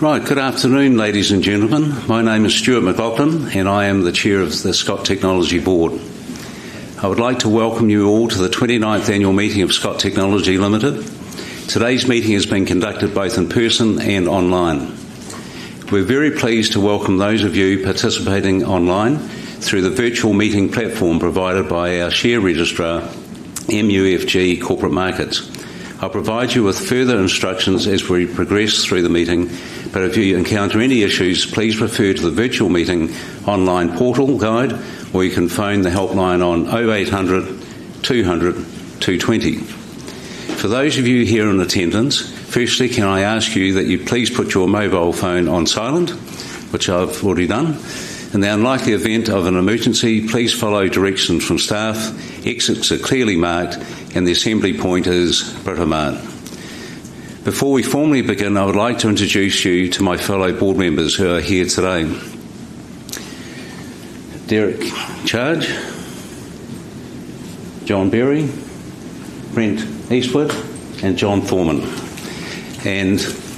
Right, good afternoon, ladies and gentlemen. My name is Stuart McLauchlan, and I am the Chair of the Scott Technology Board. I would like to welcome you all to the 29th Annual Meeting of Scott Technology Limited. Today's meeting has been conducted both in person and online. We're very pleased to welcome those of you participating online through the virtual meeting platform provided by our share registrar, MUFG Corporate Markets. I'll provide you with further instructions as we progress through the meeting, but if you encounter any issues, please refer to the virtual meeting online portal guide, or you can phone the helpline on 0800 200 220. For those of you here in attendance, firstly, can I ask you that you please put your mobile phone on silent, which I've already done. In the unlikely event of an emergency, please follow directions from staff. Exits are clearly marked, and the assembly point is Britomart. Before we formally begin, I would like to introduce you to my fellow board members who are here today: Derek Charge, John Berry, Brent Eastwood, and John Thorman.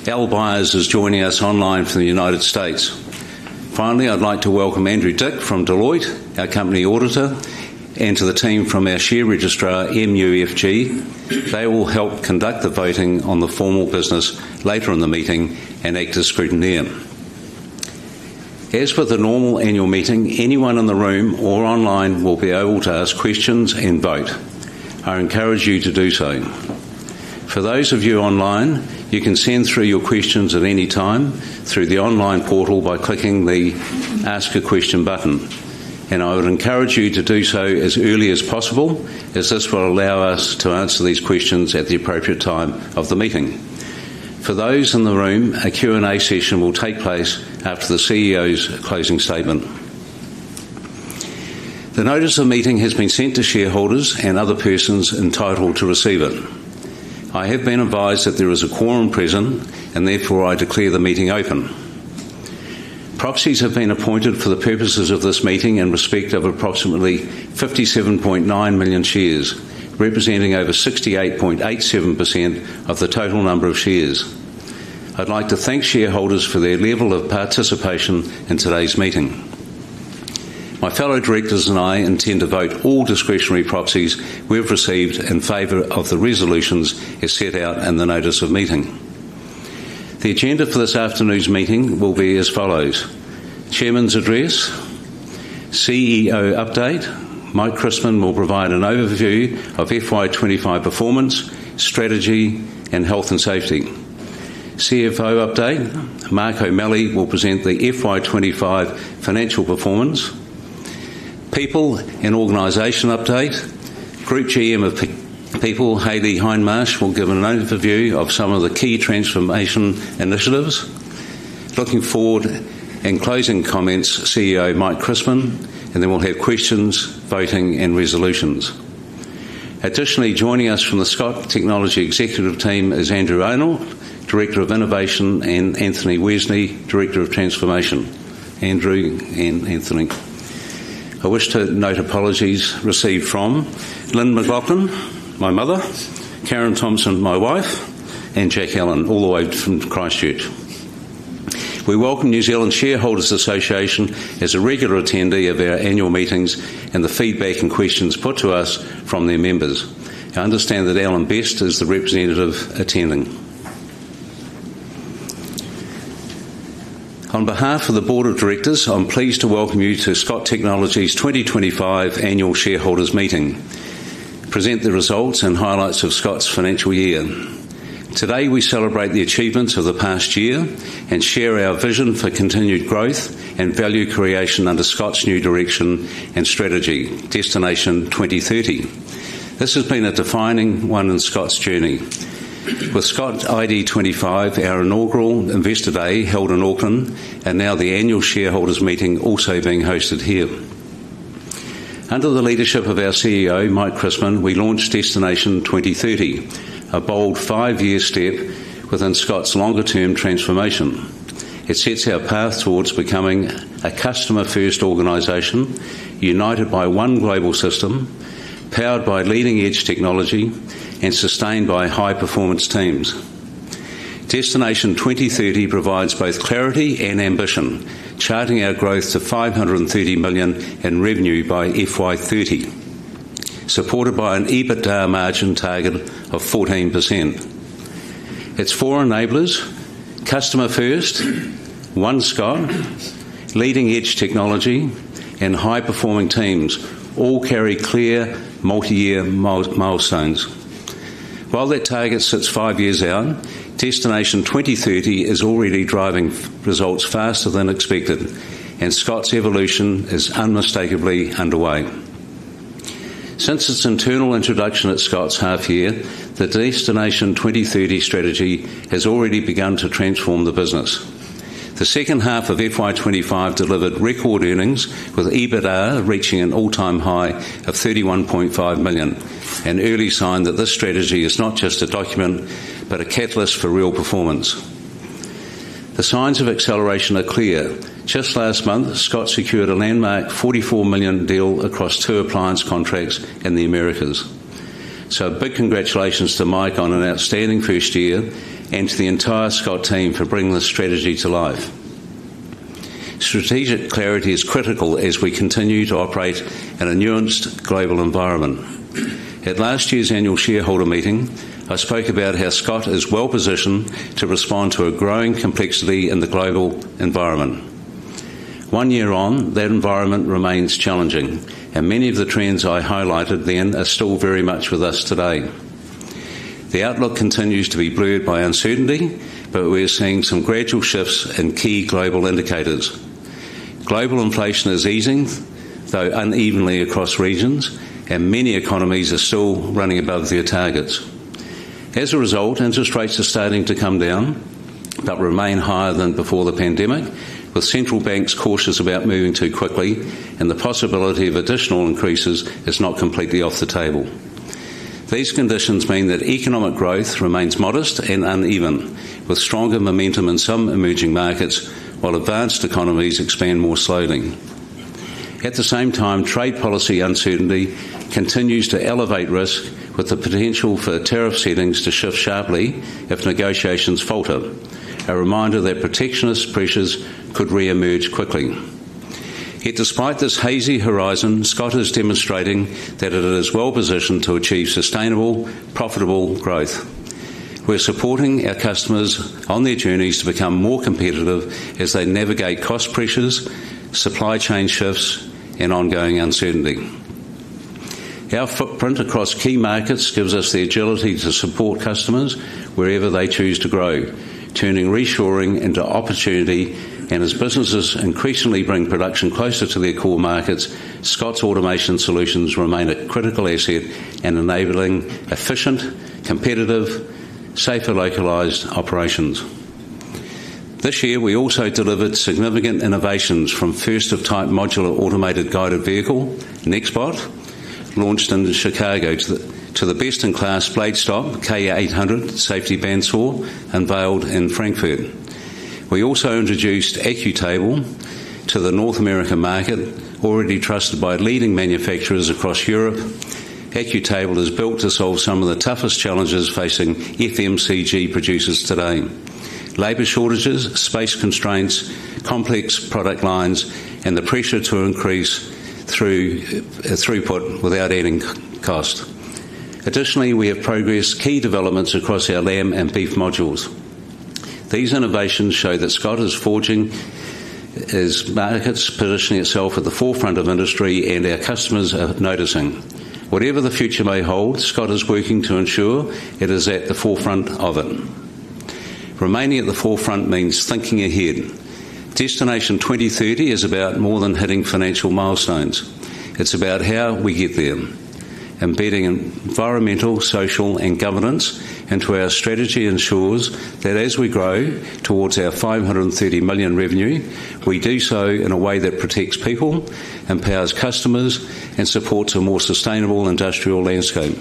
Alan Byers is joining us online from the United States. Finally, I'd like to welcome Andrew Dick from Deloitte, our company auditor, and to the team from our share registrar, MUFG. They will help conduct the voting on the formal business later in the meeting and act as scrutineer. As with the normal annual meeting, anyone in the room or online will be able to ask questions and vote. I encourage you to do so. For those of you online, you can send through your questions at any time through the online portal by clicking the Ask a Question button, and I would encourage you to do so as early as possible, as this will allow us to answer these questions at the appropriate time of the meeting. For those in the room, a Q&A session will take place after the CEO's closing statement. The notice of meeting has been sent to shareholders and other persons entitled to receive it. I have been advised that there is a quorum present, and therefore I declare the meeting open. Proxies have been appointed for the purposes of this meeting in respect of approximately 57.9 million shares, representing over 68.87% of the total number of shares. I'd like to thank shareholders for their level of participation in today's meeting. My fellow directors and I intend to vote all discretionary proxies we've received in favor of the resolutions as set out in the notice of meeting. The agenda for this afternoon's meeting will be as follows: Chairman's Address, CEO Update. Mike Christman will provide an overview of FY 2025 performance, strategy, and health and safety. CFO Update. Mark O'Malley will present the FY 2025 financial performance. People and Organisation Update. Group GM of People, Hayley Hindmarsh, will give an overview of some of the key transformation initiatives. Looking forward and closing comments, CEO Mike Christman, and then we'll have questions, voting, and resolutions. Additionally, joining us from the Scott Technology Executive Team is Andrew Arnold, Director of Innovation, and Anthony Wesney, Director of Transformation. Andrew and Anthony. I wish to note apologies received from Lynn McLauchlan, my mother, Karen Thompson, my wife, and Jack Allen, all the way from Christchurch. We welcome New Zealand Shareholders Association as a regular attendee of our annual meetings and the feedback and questions put to us from their members. I understand that Alan Best is the representative attending. On behalf of the Board of Directors, I'm pleased to welcome you to Scott Technology's 2025 Annual Shareholders Meeting, present the results and highlights of Scott's financial year. Today, we celebrate the achievements of the past year and share our vision for continued growth and value creation under Scott's new direction and strategy, Destination 2030. This has been a defining one in Scott's journey. With Scott ID25, our inaugural Investor Day held in Auckland, and now the annual shareholders meeting also being hosted here. Under the leadership of our CEO, Mike Christman, we launched Destination 2030, a bold five-year step within Scott's longer-term transformation. It sets our path towards becoming a customer-first organisation, united by one global system, powered by leading-edge technology and sustained by high-performance teams. Destination 2030 provides both clarity and ambition, charting our growth to 530 million in revenue by FY 2030, supported by an EBITDA margin target of 14%. Its four enablers, customer-first, One Scott, leading-edge technology, and high-performing teams, all carry clear multi-year milestones. While that target sits five years out, Destination 2030 is already driving results faster than expected, and Scott's evolution is unmistakably underway. Since its internal introduction at Scott's half-year, the Destination 2030 strategy has already begun to transform the business. The second half of FY 2025 delivered record earnings, with EBITDA reaching an all-time high of 31.5 million, an early sign that this strategy is not just a document but a catalyst for real performance. The signs of acceleration are clear. Just last month, Scott secured a landmark $44 million deal across two appliance contracts in the Americas. Big congratulations to Mike on an outstanding first year and to the entire Scott team for bringing this strategy to life. Strategic clarity is critical as we continue to operate in a nuanced global environment. At last year's annual shareholder meeting, I spoke about how Scott is well positioned to respond to a growing complexity in the global environment. One year on, that environment remains challenging, and many of the trends I highlighted then are still very much with us today. The outlook continues to be blurred by uncertainty, but we're seeing some gradual shifts in key global indicators. Global inflation is easing, though unevenly across regions, and many economies are still running above their targets. As a result, interest rates are starting to come down but remain higher than before the pandemic, with central banks cautious about moving too quickly, and the possibility of additional increases is not completely off the table. These conditions mean that economic growth remains modest and uneven, with stronger momentum in some emerging markets while advanced economies expand more slowly. At the same time, trade policy uncertainty continues to elevate risk, with the potential for tariff settings to shift sharply if negotiations falter, a reminder that protectionist pressures could reemerge quickly. Yet, despite this hazy horizon, Scott is demonstrating that it is well positioned to achieve sustainable, profitable growth. We're supporting our customers on their journeys to become more competitive as they navigate cost pressures, supply chain shifts, and ongoing uncertainty. Our footprint across key markets gives us the agility to support customers wherever they choose to grow, turning reshoring into opportunity. As businesses increasingly bring production closer to their core markets, Scott's automation solutions remain a critical asset in enabling efficient, competitive, safer localized operations. This year, we also delivered significant innovations from first-of-type modular automated guided vehicle, NexBot, launched in Chicago to the best-in-class BladeStop, K800 Safety Bandsaw, unveiled in Frankfurt. We also introduced Accutable to the North American market, already trusted by leading manufacturers across Europe. Accutable is built to solve some of the toughest challenges facing FMCG producers today: labor shortages, space constraints, complex product lines, and the pressure to increase throughput without adding cost. Additionally, we have progressed key developments across our lamb and beef modules. These innovations show that Scott is forging markets, positioning itself at the forefront of industry, and our customers are noticing. Whatever the future may hold, Scott is working to ensure it is at the forefront of it. Remaining at the forefront means thinking ahead. Destination 2030 is about more than hitting financial milestones. It's about how we get there. Embedding environmental, social, and governance into our strategy ensures that as we grow towards our 530 million revenue, we do so in a way that protects people, empowers customers, and supports a more sustainable industrial landscape.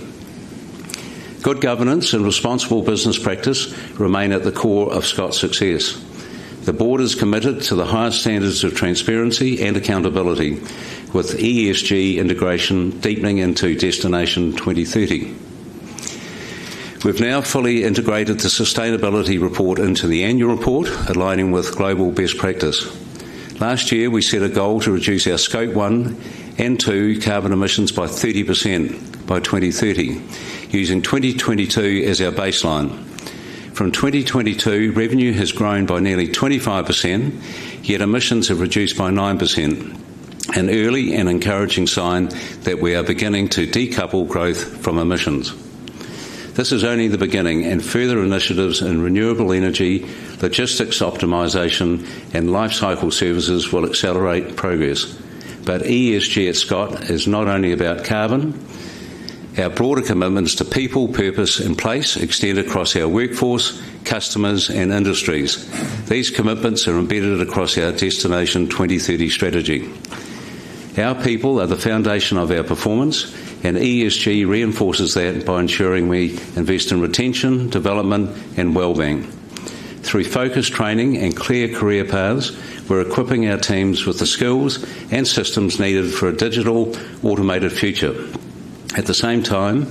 Good governance and responsible business practice remain at the core of Scott's success. The board is committed to the highest standards of transparency and accountability, with ESG integration deepening into Destination 2030. We've now fully integrated the sustainability report into the annual report, aligning with global best practice. Last year, we set a goal to reduce our Scope One and Two carbon emissions by 30% by 2030, using 2022 as our baseline. From 2022, revenue has grown by nearly 25%, yet emissions have reduced by 9%, an early and encouraging sign that we are beginning to decouple growth from emissions. This is only the beginning, and further initiatives in renewable energy, logistics optimization, and life cycle services will accelerate progress. ESG at Scott is not only about carbon. Our broader commitments to people, purpose, and place extend across our workforce, customers, and industries. These commitments are embedded across our Destination 2030 strategy. Our people are the foundation of our performance, and ESG reinforces that by ensuring we invest in retention, development, and well-being. Through focused training and clear career paths, we're equipping our teams with the skills and systems needed for a digital, automated future. At the same time,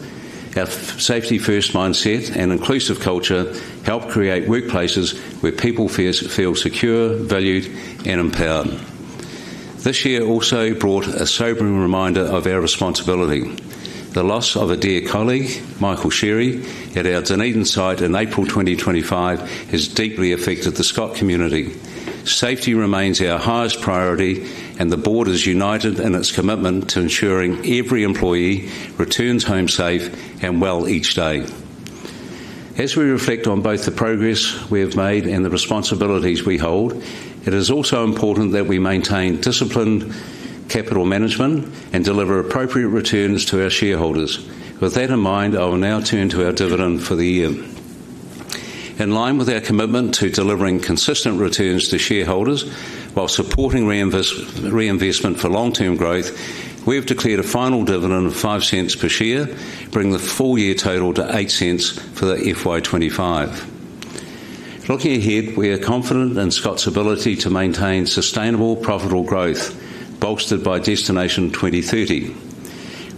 our safety-first mindset and inclusive culture help create workplaces where people feel secure, valued, and empowered. This year also brought a sobering reminder of our responsibility. The loss of a dear colleague, Michael Sherry, at our Dunedin site in April 2025 has deeply affected the Scott community. Safety remains our highest priority, and the board is united in its commitment to ensuring every employee returns home safe and well each day. As we reflect on both the progress we have made and the responsibilities we hold, it is also important that we maintain disciplined capital management and deliver appropriate returns to our shareholders. With that in mind, I will now turn to our dividend for the year. In line with our commitment to delivering consistent returns to shareholders while supporting reinvestment for long-term growth, we have declared a final dividend of 0.05 per share, bringing the full year total to 0.08 for the FY 2025. Looking ahead, we are confident in Scott's ability to maintain sustainable, profitable growth, bolstered by Destination 2030.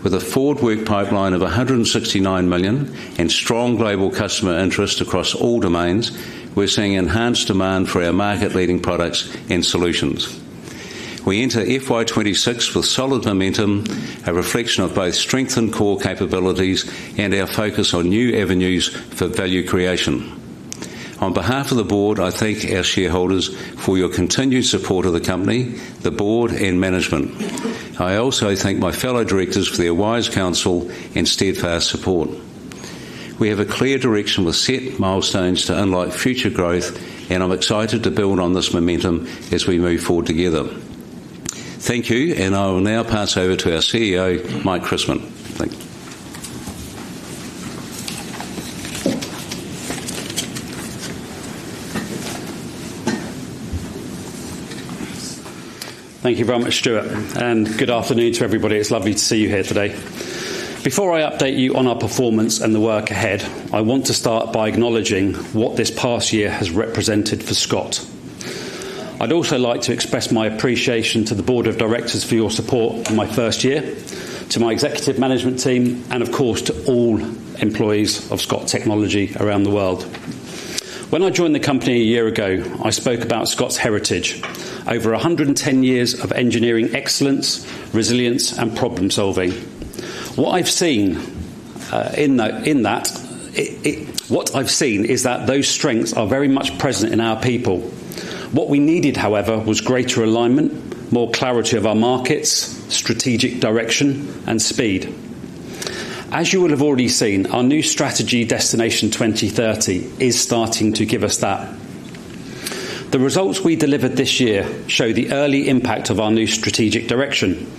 With a forward work pipeline of 169 million and strong global customer interest across all domains, we're seeing enhanced demand for our market-leading products and solutions. We enter FY 2026 with solid momentum, a reflection of both strengthened core capabilities and our focus on new avenues for value creation. On behalf of the board, I thank our shareholders for your continued support of the company, the board, and management. I also thank my fellow directors for their wise counsel and steadfast support. We have a clear direction with set milestones to unlock future growth, and I'm excited to build on this momentum as we move forward together. Thank you, and I will now pass over to our CEO, Mike Christman. Thank you. Thank you very much, Stuart, and good afternoon to everybody. It's lovely to see you here today. Before I update you on our performance and the work ahead, I want to start by acknowledging what this past year has represented for Scott. I'd also like to express my appreciation to the Board of Directors for your support in my first year, to my executive management team, and of course, to all employees of Scott Technology around the world. When I joined the company a year ago, I spoke about Scott's heritage, over 110 years of engineering excellence, resilience, and problem-solving. What I've seen is that those strengths are very much present in our people. What we needed, however, was greater alignment, more clarity of our markets, strategic direction, and speed. As you will have already seen, our new strategy, Destination 2030, is starting to give us that. The results we delivered this year show the early impact of our new strategic direction,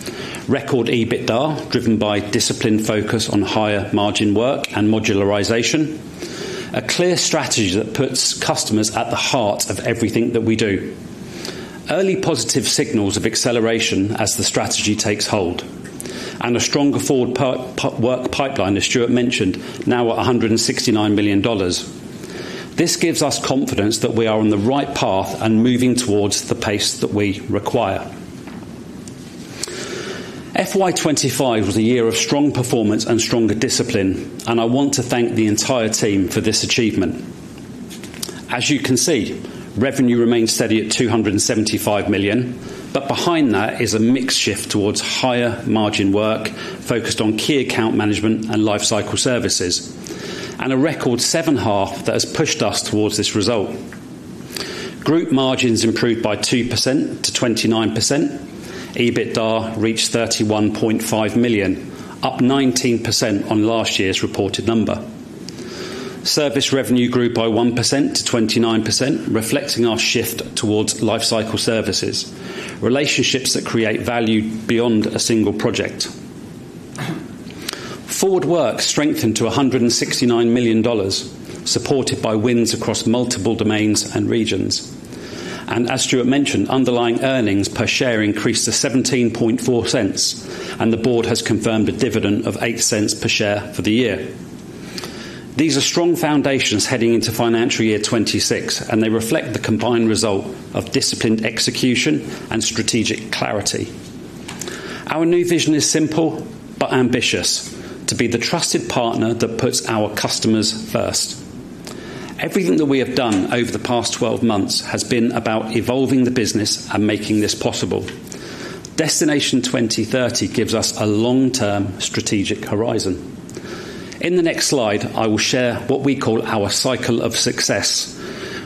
record EBITDA driven by disciplined focus on higher margin work and modularisation, a clear strategy that puts customers at the heart of everything that we do. Early positive signals of acceleration as the strategy takes hold, and a stronger forward work pipeline, as Stuart mentioned, now at 169 million dollars. This gives us confidence that we are on the right path and moving towards the pace that we require. FY 2025 was a year of strong performance and stronger discipline, and I want to thank the entire team for this achievement. As you can see, revenue remains steady at 275 million, but behind that is a mixed shift towards higher margin work focused on key account management and life cycle services, and a record seven-half that has pushed us towards this result. Group margins improved by 2% to 29%. EBITDA reached 31.5 million, up 19% on last year's reported number. Service revenue grew by 1% to 29%, reflecting our shift towards life cycle services, relationships that create value beyond a single project. Forward work strengthened to 169 million dollars, supported by wins across multiple domains and regions. As Stuart mentioned, underlying earnings per share increased to 17.40, and the board has confirmed a dividend of 0.08 per share for the year. These are strong foundations heading into financial year 2026, and they reflect the combined result of disciplined execution and strategic clarity. Our new vision is simple but ambitious: to be the trusted partner that puts our customers first. Everything that we have done over the past 12 months has been about evolving the business and making this possible. Destination 2030 gives us a long-term strategic horizon. In the next slide, I will share what we call our cycle of success,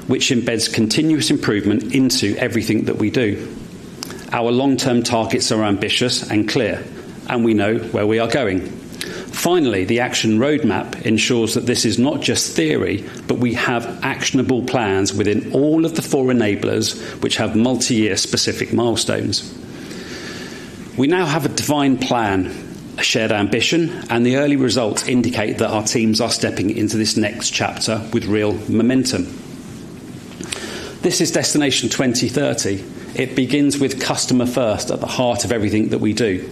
which embeds continuous improvement into everything that we do. Our long-term targets are ambitious and clear, and we know where we are going. Finally, the action roadmap ensures that this is not just theory, but we have actionable plans within all of the four enablers, which have multi-year specific milestones. We now have a defined plan, a shared ambition, and the early results indicate that our teams are stepping into this next chapter with real momentum. This is Destination 2030. It begins with customer first at the heart of everything that we do,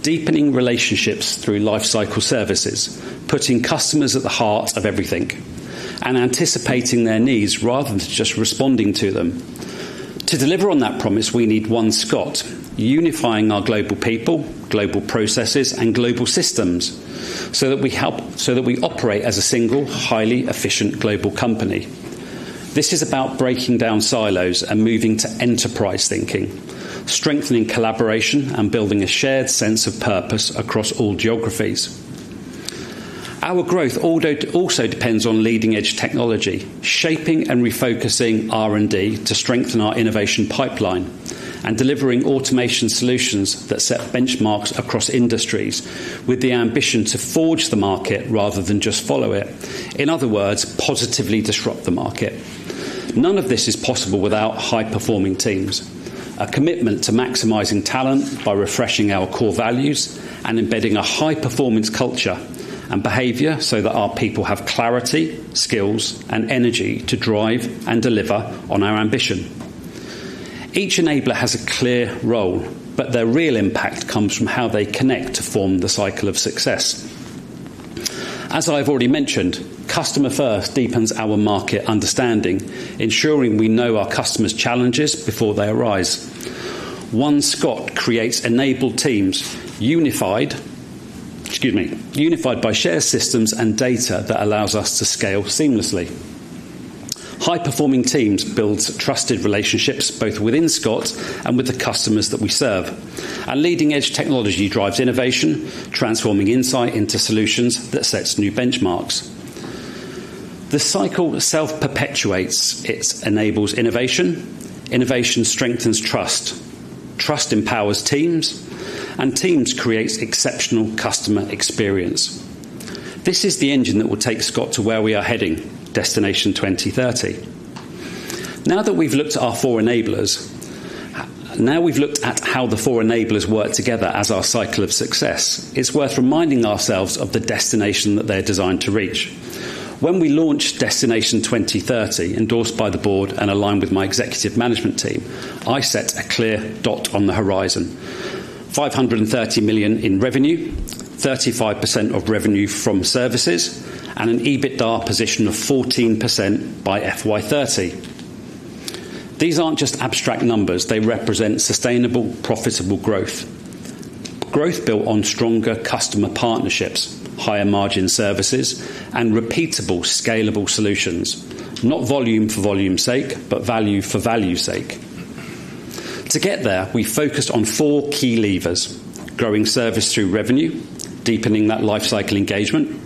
deepening relationships through life cycle services, putting customers at the heart of everything, and anticipating their needs rather than just responding to them. To deliver on that promise, we need One Scott, unifying our global people, global processes, and global systems so that we operate as a single, highly efficient global company. This is about breaking down silos and moving to enterprise thinking, strengthening collaboration, and building a shared sense of purpose across all geographies. Our growth also depends on leading-edge technology, shaping and refocusing R&D to strengthen our innovation pipeline, and delivering automation solutions that set benchmarks across industries with the ambition to forge the market rather than just follow it. In other words, positively disrupt the market. None of this is possible without high-performing teams, a commitment to maximizing talent by refreshing our core values and embedding a high-performance culture and behavior so that our people have clarity, skills, and energy to drive and deliver on our ambition. Each enabler has a clear role, but their real impact comes from how they connect to form the cycle of success. As I have already mentioned, customer first deepens our market understanding, ensuring we know our customers' challenges before they arise. One Scott creates enabled teams, unified by shared systems and data that allows us to scale seamlessly. High-performing teams build trusted relationships both within Scott and with the customers that we serve, and leading-edge technology drives innovation, transforming insight into solutions that set new benchmarks. The cycle self-perpetuates. It enables innovation, innovation strengthens trust, trust empowers teams, and teams create exceptional customer experience. This is the engine that will take Scott to where we are heading, Destination 2030. Now that we've looked at our four enablers, now we've looked at how the four enablers work together as our cycle of success, it's worth reminding ourselves of the destination that they're designed to reach. When we launched Destination 2030, endorsed by the board and aligned with my executive management team, I set a clear dot on the horizon: 530 million in revenue, 35% of revenue from services, and an EBITDA position of 14% by FY 2030. These aren't just abstract numbers; they represent sustainable, profitable growth, growth built on stronger customer partnerships, higher margin services, and repeatable, scalable solutions, not volume for volume's sake, but value for value's sake. To get there, we focused on four key levers: growing service through revenue, deepening that life cycle engagement,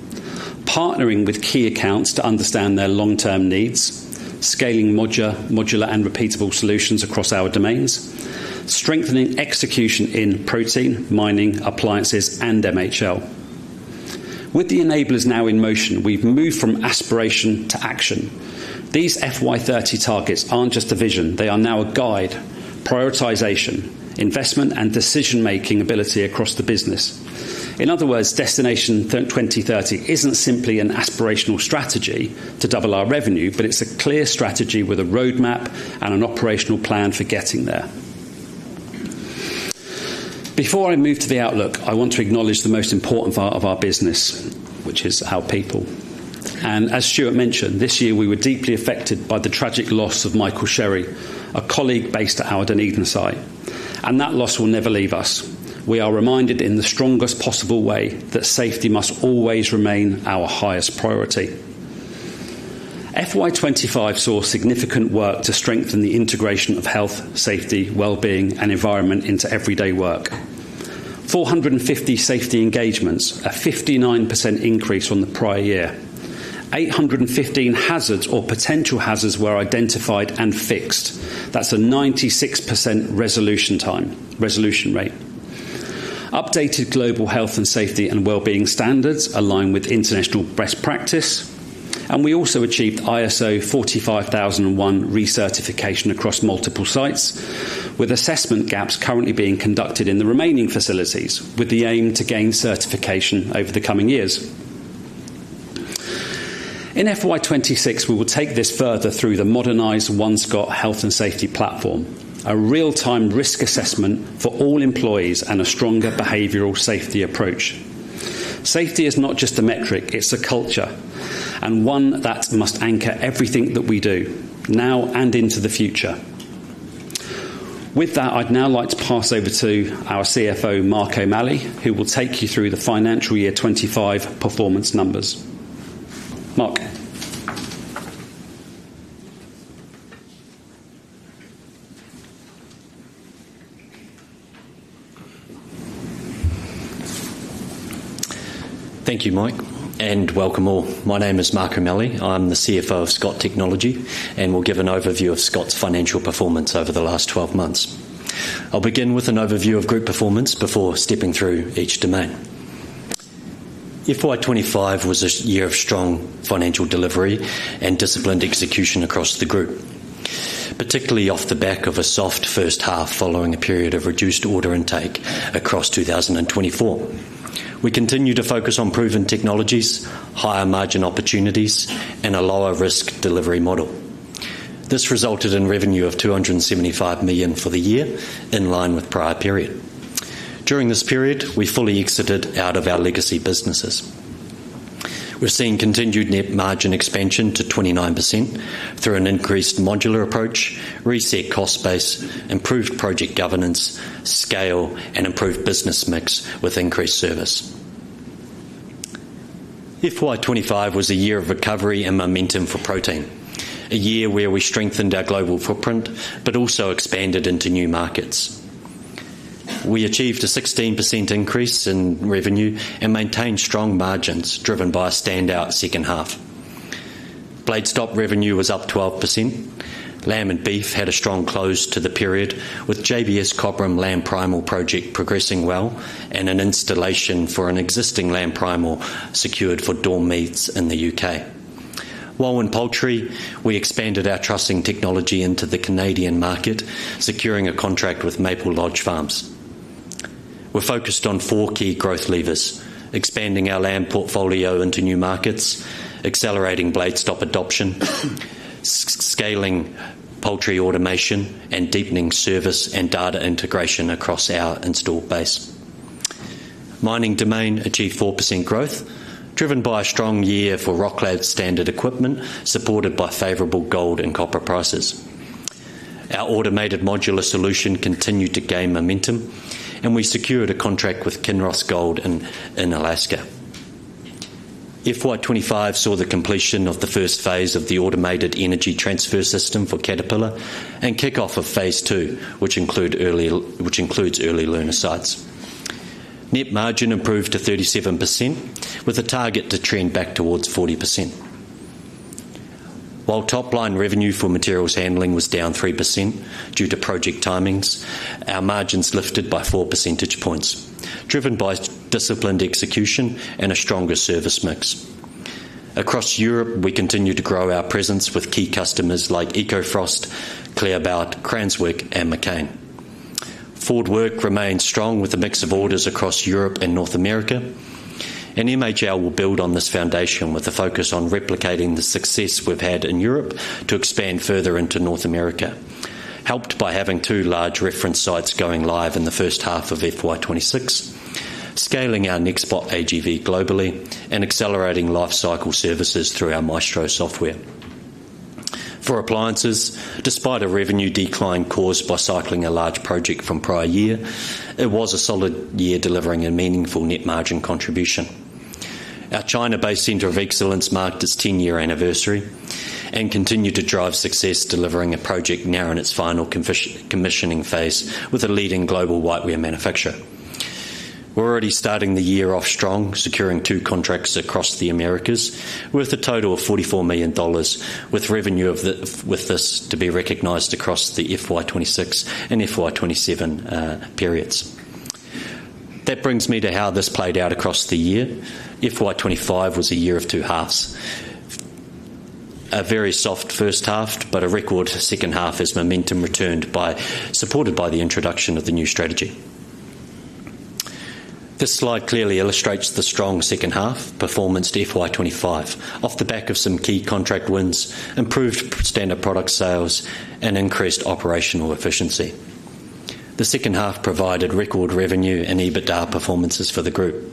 partnering with key accounts to understand their long-term needs, scaling modular and repeatable solutions across our domains, strengthening execution in protein, mining, appliances, and MHL. With the enablers now in motion, we've moved from aspiration to action. These FY 2030 targets aren't just a vision; they are now a guide, prioritisation, investment, and decision-making ability across the business. In other words, Destination 2030 isn't simply an aspirational strategy to double our revenue, but it's a clear strategy with a roadmap and an operational plan for getting there. Before I move to the outlook, I want to acknowledge the most important part of our business, which is our people. As Stuart mentioned, this year we were deeply affected by the tragic loss of Michael Sherry, a colleague based at our Dunedin site. That loss will never leave us. We are reminded in the strongest possible way that safety must always remain our highest priority. FY 2025 saw significant work to strengthen the integration of health, safety, well-being, and environment into everyday work: 450 safety engagements, a 59% increase from the prior year. 815 hazards or potential hazards were identified and fixed. That is a 96% resolution rate. Updated global health and safety and well-being standards align with international best practice. We also achieved ISO 45001 recertification across multiple sites, with assessment gaps currently being conducted in the remaining facilities, with the aim to gain certification over the coming years. In FY 2026, we will take this further through the modernized One Scott Health and Safety Platform, a real-time risk assessment for all employees and a stronger behavioral safety approach. Safety is not just a metric; it is a culture, and one that must anchor everything that we do, now and into the future. With that, I'd now like to pass over to our CFO, Mark O'Malley, who will take you through the financial year 25 performance numbers. Mark? Thank you, Mike, and welcome all. My name is Mark O'Malley. I'm the CFO of Scott Technology, and we'll give an overview of Scott's financial performance over the last 12 months. I'll begin with an overview of group performance before stepping through each domain. FY 2025 was a year of strong financial delivery and disciplined execution across the group, particularly off the back of a soft first half following a period of reduced order intake across 2024. We continue to focus on proven technologies, higher margin opportunities, and a lower risk delivery model. This resulted in 275 million revenue for the year, in line with prior period. During this period, we fully exited out of our legacy businesses. We've seen continued net margin expansion to 29% through an increased modular approach, reset cost base, improved project governance, scale, and improved business mix with increased service. FY 2025 was a year of recovery and momentum for protein, a year where we strengthened our global footprint but also expanded into new markets. We achieved a 16% increase in revenue and maintained strong margins driven by a standout second half. BladeStop revenue was up 12%. Lamb and beef had a strong close to the period, with JBS Cobram lamb primal project progressing well and an installation for an existing lamb primal secured for Dawn Meats in the U.K. While in poultry, we expanded our trussing technology into the Canadian market, securing a contract with Maple Lodge Farms. We're focused on four key growth levers: expanding our lamb portfolio into new markets, accelerating BladeStop adoption, scaling poultry automation, and deepening service and data integration across our installed base. Mining domain achieved 4% growth, driven by a strong year for RockLabs standard equipment, supported by favorable gold and copper prices. Our automated modular solution continued to gain momentum, and we secured a contract with Kinross Gold in Alaska. FY 2025 saw the completion of the first phase of the automated energy transfer system for Caterpillar and kick-off of phase two, which includes early learner sites. Net margin improved to 37%, with a target to trend back towards 40%. While top-line revenue for materials handling was down 3% due to project timings, our margins lifted by 4 percentage points, driven by disciplined execution and a stronger service mix. Across Europe, we continue to grow our presence with key customers like EcoFrost, Claerbout, Cranswick, and McCain. Forward work remains strong with a mix of orders across Europe and North America, and MHL will build on this foundation with a focus on replicating the success we've had in Europe to expand further into North America, helped by having two large reference sites going live in the first half of FY 2026, scaling our NexBot AGV globally, and accelerating life cycle services through our Maestro software. For appliances, despite a revenue decline caused by cycling a large project from prior year, it was a solid year delivering a meaningful net margin contribution. Our China-based centre of excellence marked its 10-year anniversary and continued to drive success, delivering a project now in its final commissioning phase with a leading global whiteware manufacturer. We're already starting the year off strong, securing two contracts across the Americas worth a total of $44 million, with revenue of this to be recognized across the FY 2026 and FY 2027 periods. That brings me to how this played out across the year. FY 2025 was a year of two halves, a very soft first half, but a record second half as momentum returned, supported by the introduction of the new strategy. This slide clearly illustrates the strong second half performance to FY 2025, off the back of some key contract wins, improved standard product sales, and increased operational efficiency. The second half provided record revenue and EBITDA performances for the group.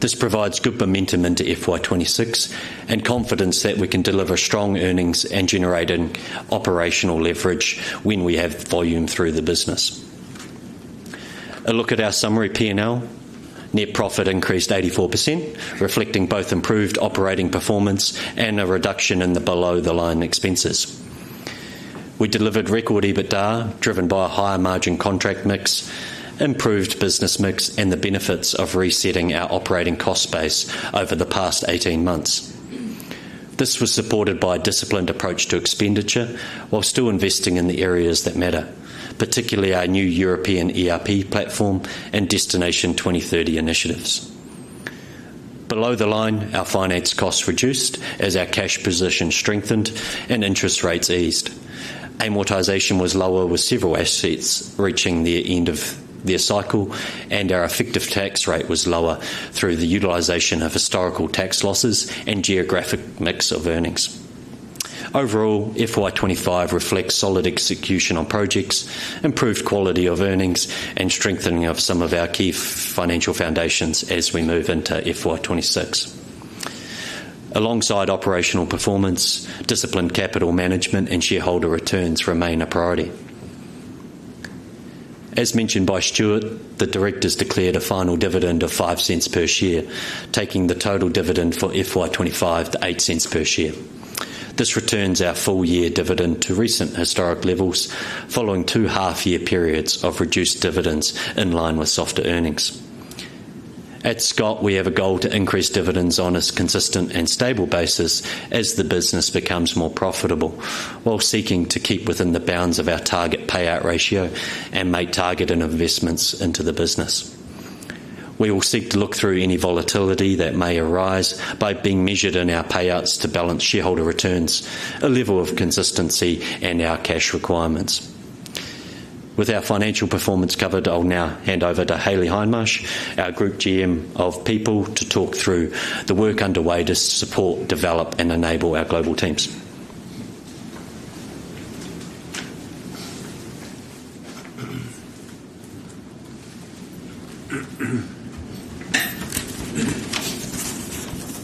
This provides good momentum into FY 2026 and confidence that we can deliver strong earnings and generate operational leverage when we have volume through the business. A look at our summary P&L: net profit increased 84%, reflecting both improved operating performance and a reduction in the below-the-line expenses. We delivered record EBITDA driven by a higher margin contract mix, improved business mix, and the benefits of resetting our operating cost base over the past 18 months. This was supported by a disciplined approach to expenditure while still investing in the areas that matter, particularly our new European ERP platform and Destination 2030 initiatives. Below the line, our finance costs reduced as our cash position strengthened and interest rates eased. Amortization was lower with several assets reaching the end of their cycle, and our effective tax rate was lower through the utilisation of historical tax losses and geographic mix of earnings. Overall, FY 2025 reflects solid execution on projects, improved quality of earnings, and strengthening of some of our key financial foundations as we move into FY 2026. Alongside operational performance, disciplined capital management and shareholder returns remain a priority. As mentioned by Stuart, the directors declared a final dividend of 0.05 per share, taking the total dividend for FY 2025 to 0.08 per share. This returns our full year dividend to recent historic levels, following two half-year periods of reduced dividends in line with softer earnings. At Scott, we have a goal to increase dividends on a consistent and stable basis as the business becomes more profitable, while seeking to keep within the bounds of our target payout ratio and make targeted investments into the business. We will seek to look through any volatility that may arise by being measured in our payouts to balance shareholder returns, a level of consistency, and our cash requirements. With our financial performance covered, I'll now hand over to Hayley Hindmarsh, our Group GM of People, to talk through the work underway to support, develop, and enable our global teams.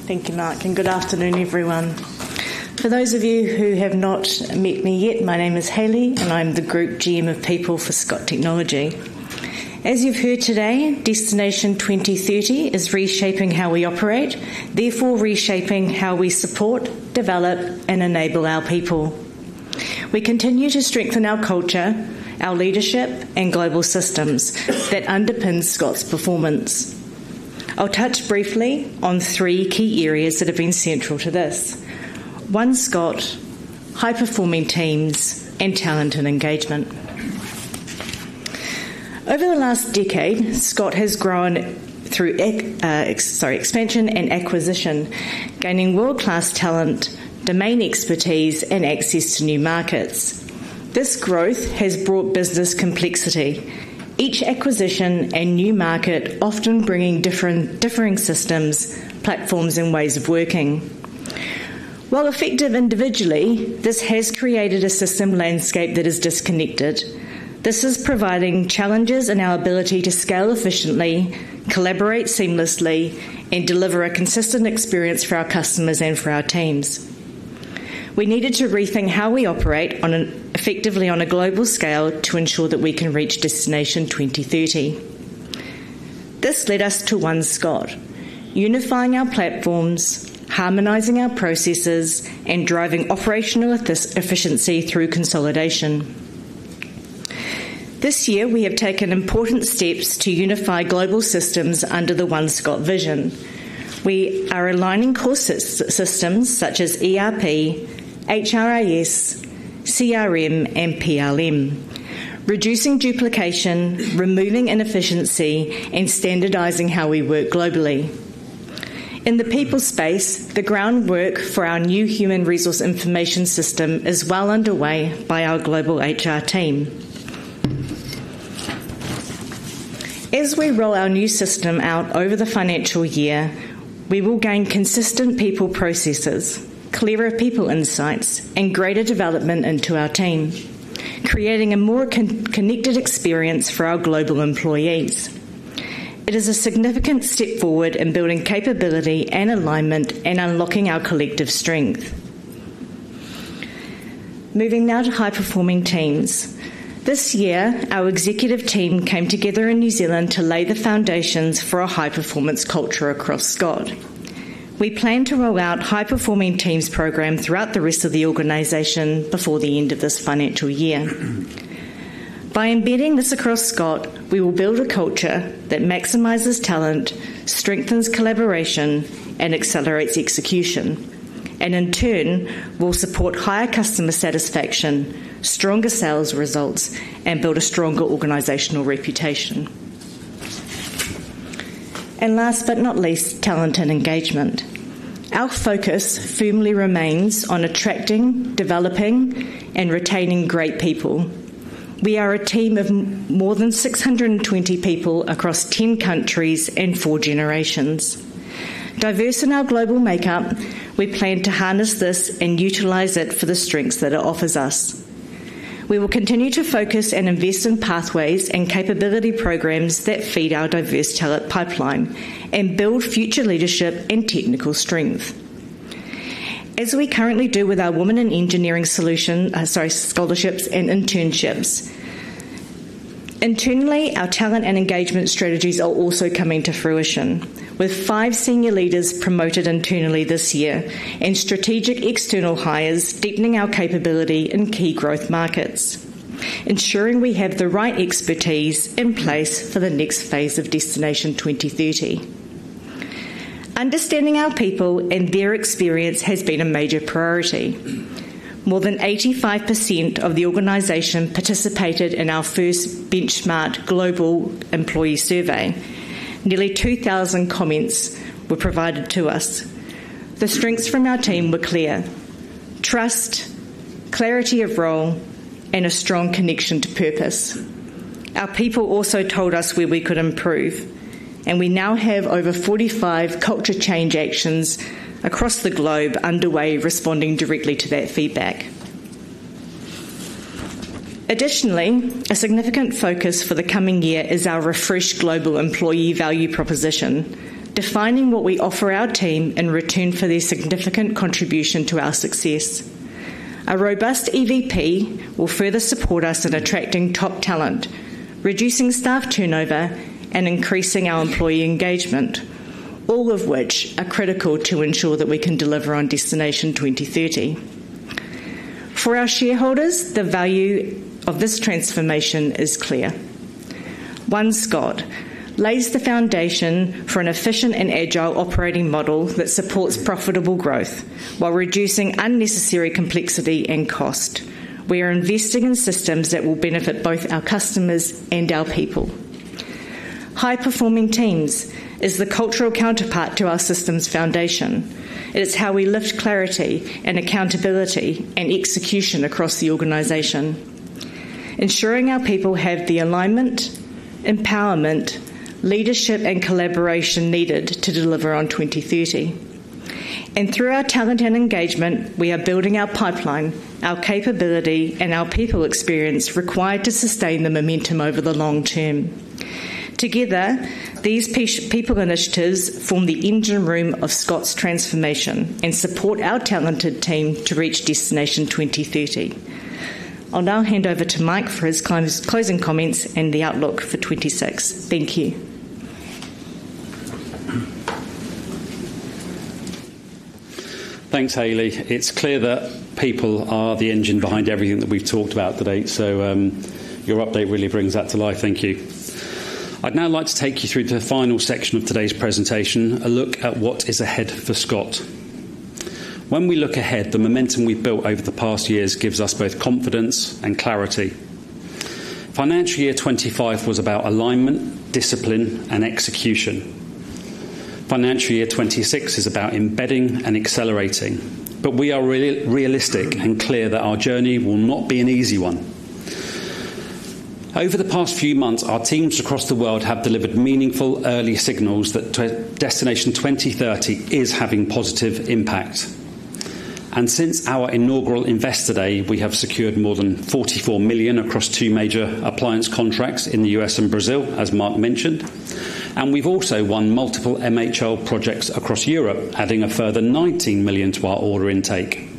Thank you, Mark, and good afternoon, everyone. For those of you who have not met me yet, my name is Hayley, and I'm the Group GM of People for Scott Technology. As you've heard today, Destination 2030 is reshaping how we operate, therefore reshaping how we support, develop, and enable our people. We continue to strengthen our culture, our leadership, and global systems that underpin Scott's performance. I'll touch briefly on three key areas that have been central to this: One Scott, high-performing teams, and talent and engagement. Over the last decade, Scott has grown through expansion and acquisition, gaining world-class talent, domain expertise, and access to new markets. This growth has brought business complexity, each acquisition and new market often bringing differing systems, platforms, and ways of working. While effective individually, this has created a system landscape that is disconnected. This is providing challenges in our ability to scale efficiently, collaborate seamlessly, and deliver a consistent experience for our customers and for our teams. We needed to rethink how we operate effectively on a global scale to ensure that we can reach Destination 2030. This led us to One Scott, unifying our platforms, harmonizing our processes, and driving operational efficiency through consolidation. This year, we have taken important steps to unify global systems under the One Scott vision. We are aligning systems such as ERP, HRIS, CRM, and PLM, reducing duplication, removing inefficiency, and standardizing how we work globally. In the people space, the groundwork for our new human resource information system is well underway by our global HR team. As we roll our new system out over the financial year, we will gain consistent people processes, clearer people insights, and greater development into our team, creating a more connected experience for our global employees. It is a significant step forward in building capability and alignment and unlocking our collective strength. Moving now to high-performing teams. This year, our executive team came together in New Zealand to lay the foundations for a high-performance culture across Scott. We plan to roll out high-performing teams programme throughout the rest of the organization before the end of this financial year. By embedding this across Scott, we will build a culture that maximizes talent, strengthens collaboration, and accelerates execution, and in turn, will support higher customer satisfaction, stronger sales results, and build a stronger organizational reputation. Last but not least, talent and engagement. Our focus firmly remains on attracting, developing, and retaining great people. We are a team of more than 620 people across 10 countries and four generations. Diverse in our global makeup, we plan to harness this and utilize it for the strengths that it offers us. We will continue to focus and invest in pathways and capability programs that feed our diverse talent pipeline and build future leadership and technical strength, as we currently do with our women in engineering solution scholarships and internships. Internally, our talent and engagement strategies are also coming to fruition, with five senior leaders promoted internally this year and strategic external hires deepening our capability in key growth markets, ensuring we have the right expertise in place for the next phase of Destination 2030. Understanding our people and their experience has been a major priority. More than 85% of the organization participated in our first benchmarked global employee survey. Nearly 2,000 comments were provided to us. The strengths from our team were clear: trust, clarity of role, and a strong connection to purpose. Our people also told us where we could improve, and we now have over 45 culture change actions across the globe underway, responding directly to that feedback. Additionally, a significant focus for the coming year is our refreshed global employee value proposition, defining what we offer our team in return for their significant contribution to our success. A robust EVP will further support us in attracting top talent, reducing staff turnover, and increasing our employee engagement, all of which are critical to ensure that we can deliver on Destination 2030. For our shareholders, the value of this transformation is clear. One Scott lays the foundation for an efficient and agile operating model that supports profitable growth while reducing unnecessary complexity and cost. We are investing in systems that will benefit both our customers and our people. High-performing teams is the cultural counterpart to our system's foundation. It is how we lift clarity and accountability and execution across the organisation, ensuring our people have the alignment, empowerment, leadership, and collaboration needed to deliver on 2030. Through our talent and engagement, we are building our pipeline, our capability, and our people experience required to sustain the momentum over the long term. Together, these people initiatives form the engine room of Scott's transformation and support our talented team to reach Destination 2030. I'll now hand over to Mike for his closing comments and the outlook for 2026. Thank you. Thank you, Hayley. It's clear that people are the engine behind everything that we've talked about today. Your update really brings that to life. Thank you. I'd now like to take you through the final section of today's presentation, a look at what is ahead for Scott. When we look ahead, the momentum we've built over the past years gives us both confidence and clarity. Financial year 2025 was about alignment, discipline, and execution. Financial year 2026 is about embedding and accelerating, but we are realistic and clear that our journey will not be an easy one. Over the past few months, our teams across the world have delivered meaningful early signals that Destination 2030 is having positive impact. Since our inaugural Investor Day, we have secured more than $44 million across two major appliance contracts in the U.S. and Brazil, as Mark mentioned. We have also won multiple MHL projects across Europe, adding a further 19 million to our order intake.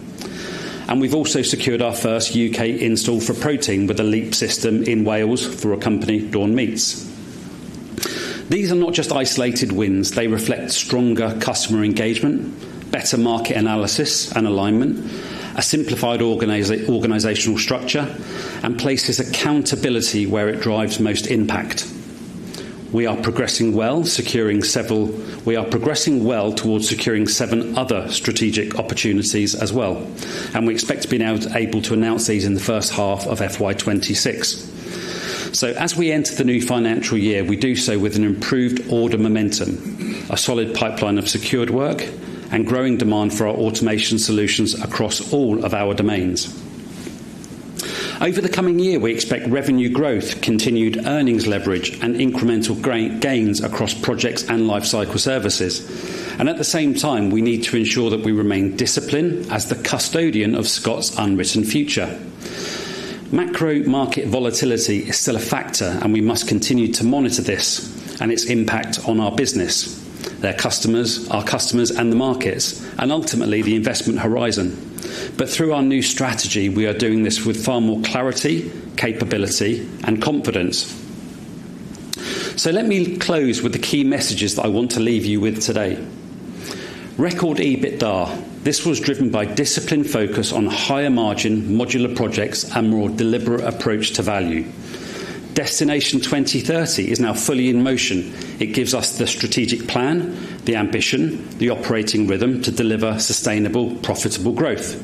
We have also secured our first U.K. install for protein with a LEAP system in Wales for a company, Dawn Meats. These are not just isolated wins. They reflect stronger customer engagement, better market analysis and alignment, a simplified organizational structure, and places accountability where it drives most impact. We are progressing well, securing several. We are progressing well towards securing seven other strategic opportunities as well. We expect to be able to announce these in the first half of FY 2026. As we enter the new financial year, we do so with an improved order momentum, a solid pipeline of secured work, and growing demand for our automation solutions across all of our domains. Over the coming year, we expect revenue growth, continued earnings leverage, and incremental gains across projects and life cycle services. At the same time, we need to ensure that we remain disciplined as the custodian of Scott's unwritten future. Macro market volatility is still a factor, and we must continue to monitor this and its impact on our business, our customers, and the markets, and ultimately the investment horizon. Through our new strategy, we are doing this with far more clarity, capability, and confidence. Let me close with the key messages that I want to leave you with today. Record EBITDA. This was driven by disciplined focus on higher margin, modular projects, and a more deliberate approach to value. Destination 2030 is now fully in motion. It gives us the strategic plan, the ambition, the operating rhythm to deliver sustainable, profitable growth.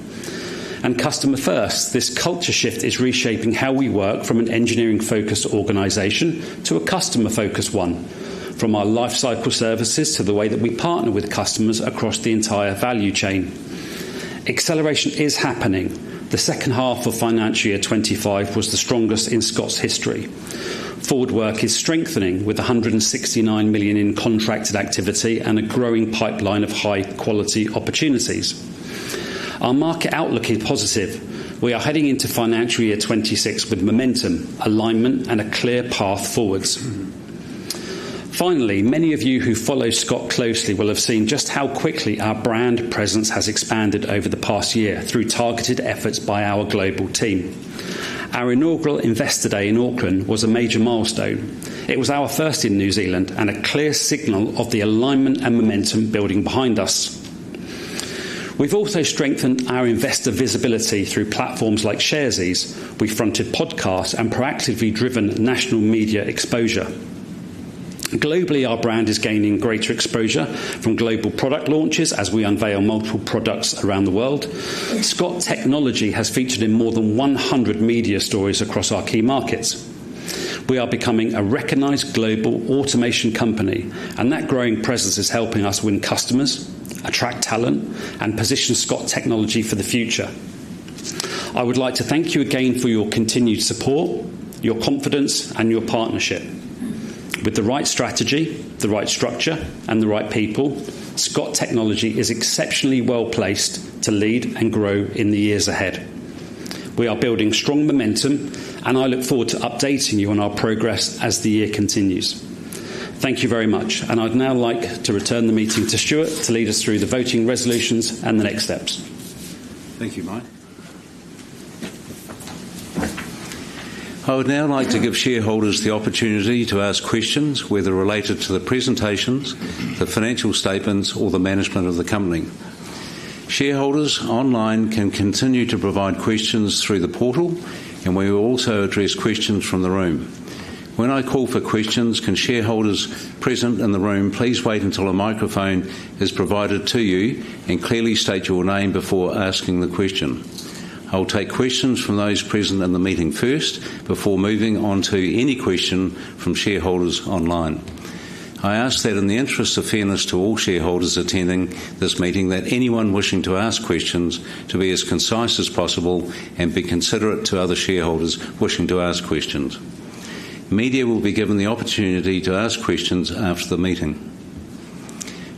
Customer first, this culture shift is reshaping how we work from an engineering-focused organisation to a customer-focused one, from our life cycle services to the way that we partner with customers across the entire value chain. Acceleration is happening. The second half of financial year 2025 was the strongest in Scott's history. Forward work is strengthening with 169 million in contracted activity and a growing pipeline of high-quality opportunities. Our market outlook is positive. We are heading into financial year 2026 with momentum, alignment, and a clear path forwards. Finally, many of you who follow Scott closely will have seen just how quickly our brand presence has expanded over the past year through targeted efforts by our global team. Our inaugural Investor Day in Auckland was a major milestone. It was our first in New Zealand and a clear signal of the alignment and momentum building behind us. We've also strengthened our investor visibility through platforms like Sharesies. We fronted podcasts and proactively driven national media exposure. Globally, our brand is gaining greater exposure from global product launches as we unveil multiple products around the world. Scott Technology has featured in more than 100 media stories across our key markets. We are becoming a recognised global automation company, and that growing presence is helping us win customers, attract talent, and position Scott Technology for the future. I would like to thank you again for your continued support, your confidence, and your partnership. With the right strategy, the right structure, and the right people, Scott Technology is exceptionally well placed to lead and grow in the years ahead. We are building strong momentum, and I look forward to updating you on our progress as the year continues. Thank you very much, and I'd now like to return the meeting to Stuart to lead us through the voting resolutions and the next steps. Thank you, Mike. I would now like to give shareholders the opportunity to ask questions whether related to the presentations, the financial statements, or the management of the company. Shareholders online can continue to provide questions through the portal, and we will also address questions from the room. When I call for questions, can shareholders present in the room please wait until a microphone is provided to you and clearly state your name before asking the question? I'll take questions from those present in the meeting first before moving on to any question from shareholders online. I ask that in the interest of fairness to all shareholders attending this meeting, that anyone wishing to ask questions be as concise as possible and be considerate to other shareholders wishing to ask questions. Media will be given the opportunity to ask questions after the meeting.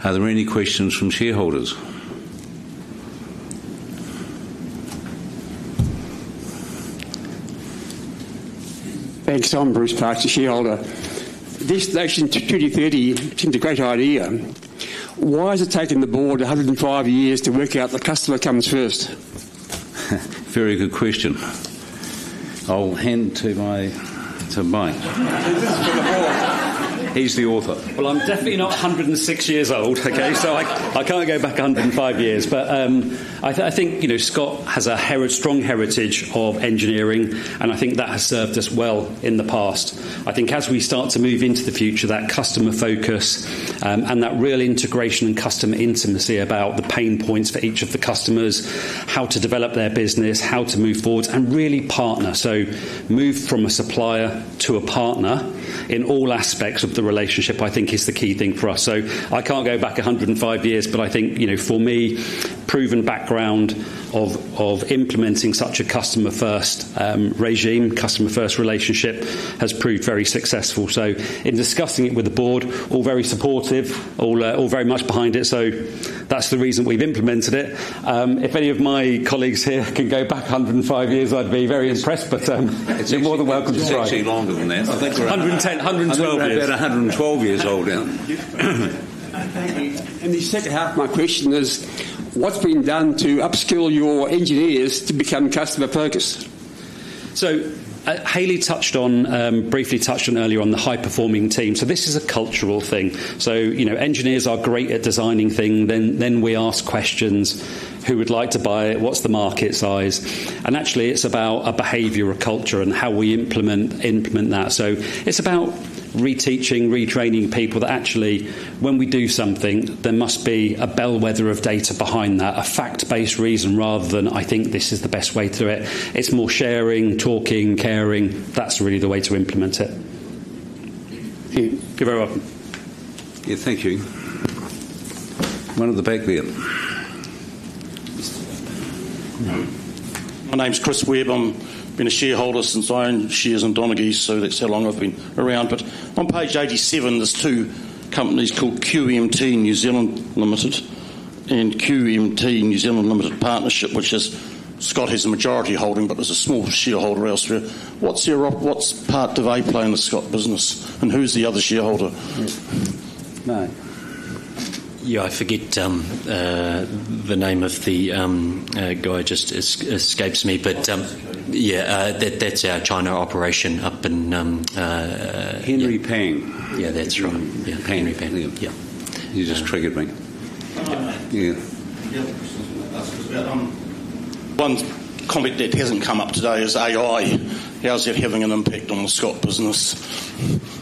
Are there any questions from shareholders? Thanks, Tom Bruce, shareholder. Destination 2030 seems a great idea. Why has it taken the board 105 years to work out the customer comes first? Very good question. I'll hand to Mike. He's the author. I'm definitely not 106 years old, okay? I can't go back 105 years. I think Scott has a strong heritage of engineering, and I think that has served us well in the past. I think as we start to move into the future, that customer focus and that real integration and customer intimacy about the pain points for each of the customers, how to develop their business, how to move forward, and really partner. Move from a supplier to a partner in all aspects of the relationship, I think, is the key thing for us. I can't go back 105 years, but I think for me, proven background of implementing such a customer-first regime, customer-first relationship has proved very successful. In discussing it with the board, all very supportive, all very much behind it. That's the reason we've implemented it. If any of my colleagues here can go back 105 years, I'd be very impressed, but you're more than welcome to try. You're not too longer than that. I think we're 112 years. I've been 112 years old now. Thank you. The second half of my question is, what's been done to upskill your engineers to become customer-focused? Hayley touched on, briefly touched on earlier on the high-performing team. This is a cultural thing. Engineers are great at designing things. Then we ask questions, who would like to buy it? What's the market size? Actually, it's about a behavior of culture and how we implement that. It's about reteaching, retraining people that actually, when we do something, there must be a bellwether of data behind that, a fact-based reason rather than, I think this is the best way to do it. It's more sharing, talking, caring. That's really the way to implement it. You're very welcome. Yeah, thank you. One of the back there. My name's [Chris Weaver]. I've been a shareholder since I owned [shares in Doneguies], so that's how long I've been around. On page 87, there's two companies called QMT New Zealand Limited and QMT New Zealand Limited Partnership, which is Scott has a majority holding, but there's a small shareholder elsewhere. What's part of A-Play in the Scott business? And who's the other shareholder? Yeah, I forget the name of the guy just escapes me, but yeah, that's our China operation up in. [Henry Pang]. Yeah, that's right. Yeah, [Henry Pang]. Yeah. You just triggered me. Yeah. One comment that hasn't come up today is AI. How's it having an impact on the Scott business? Once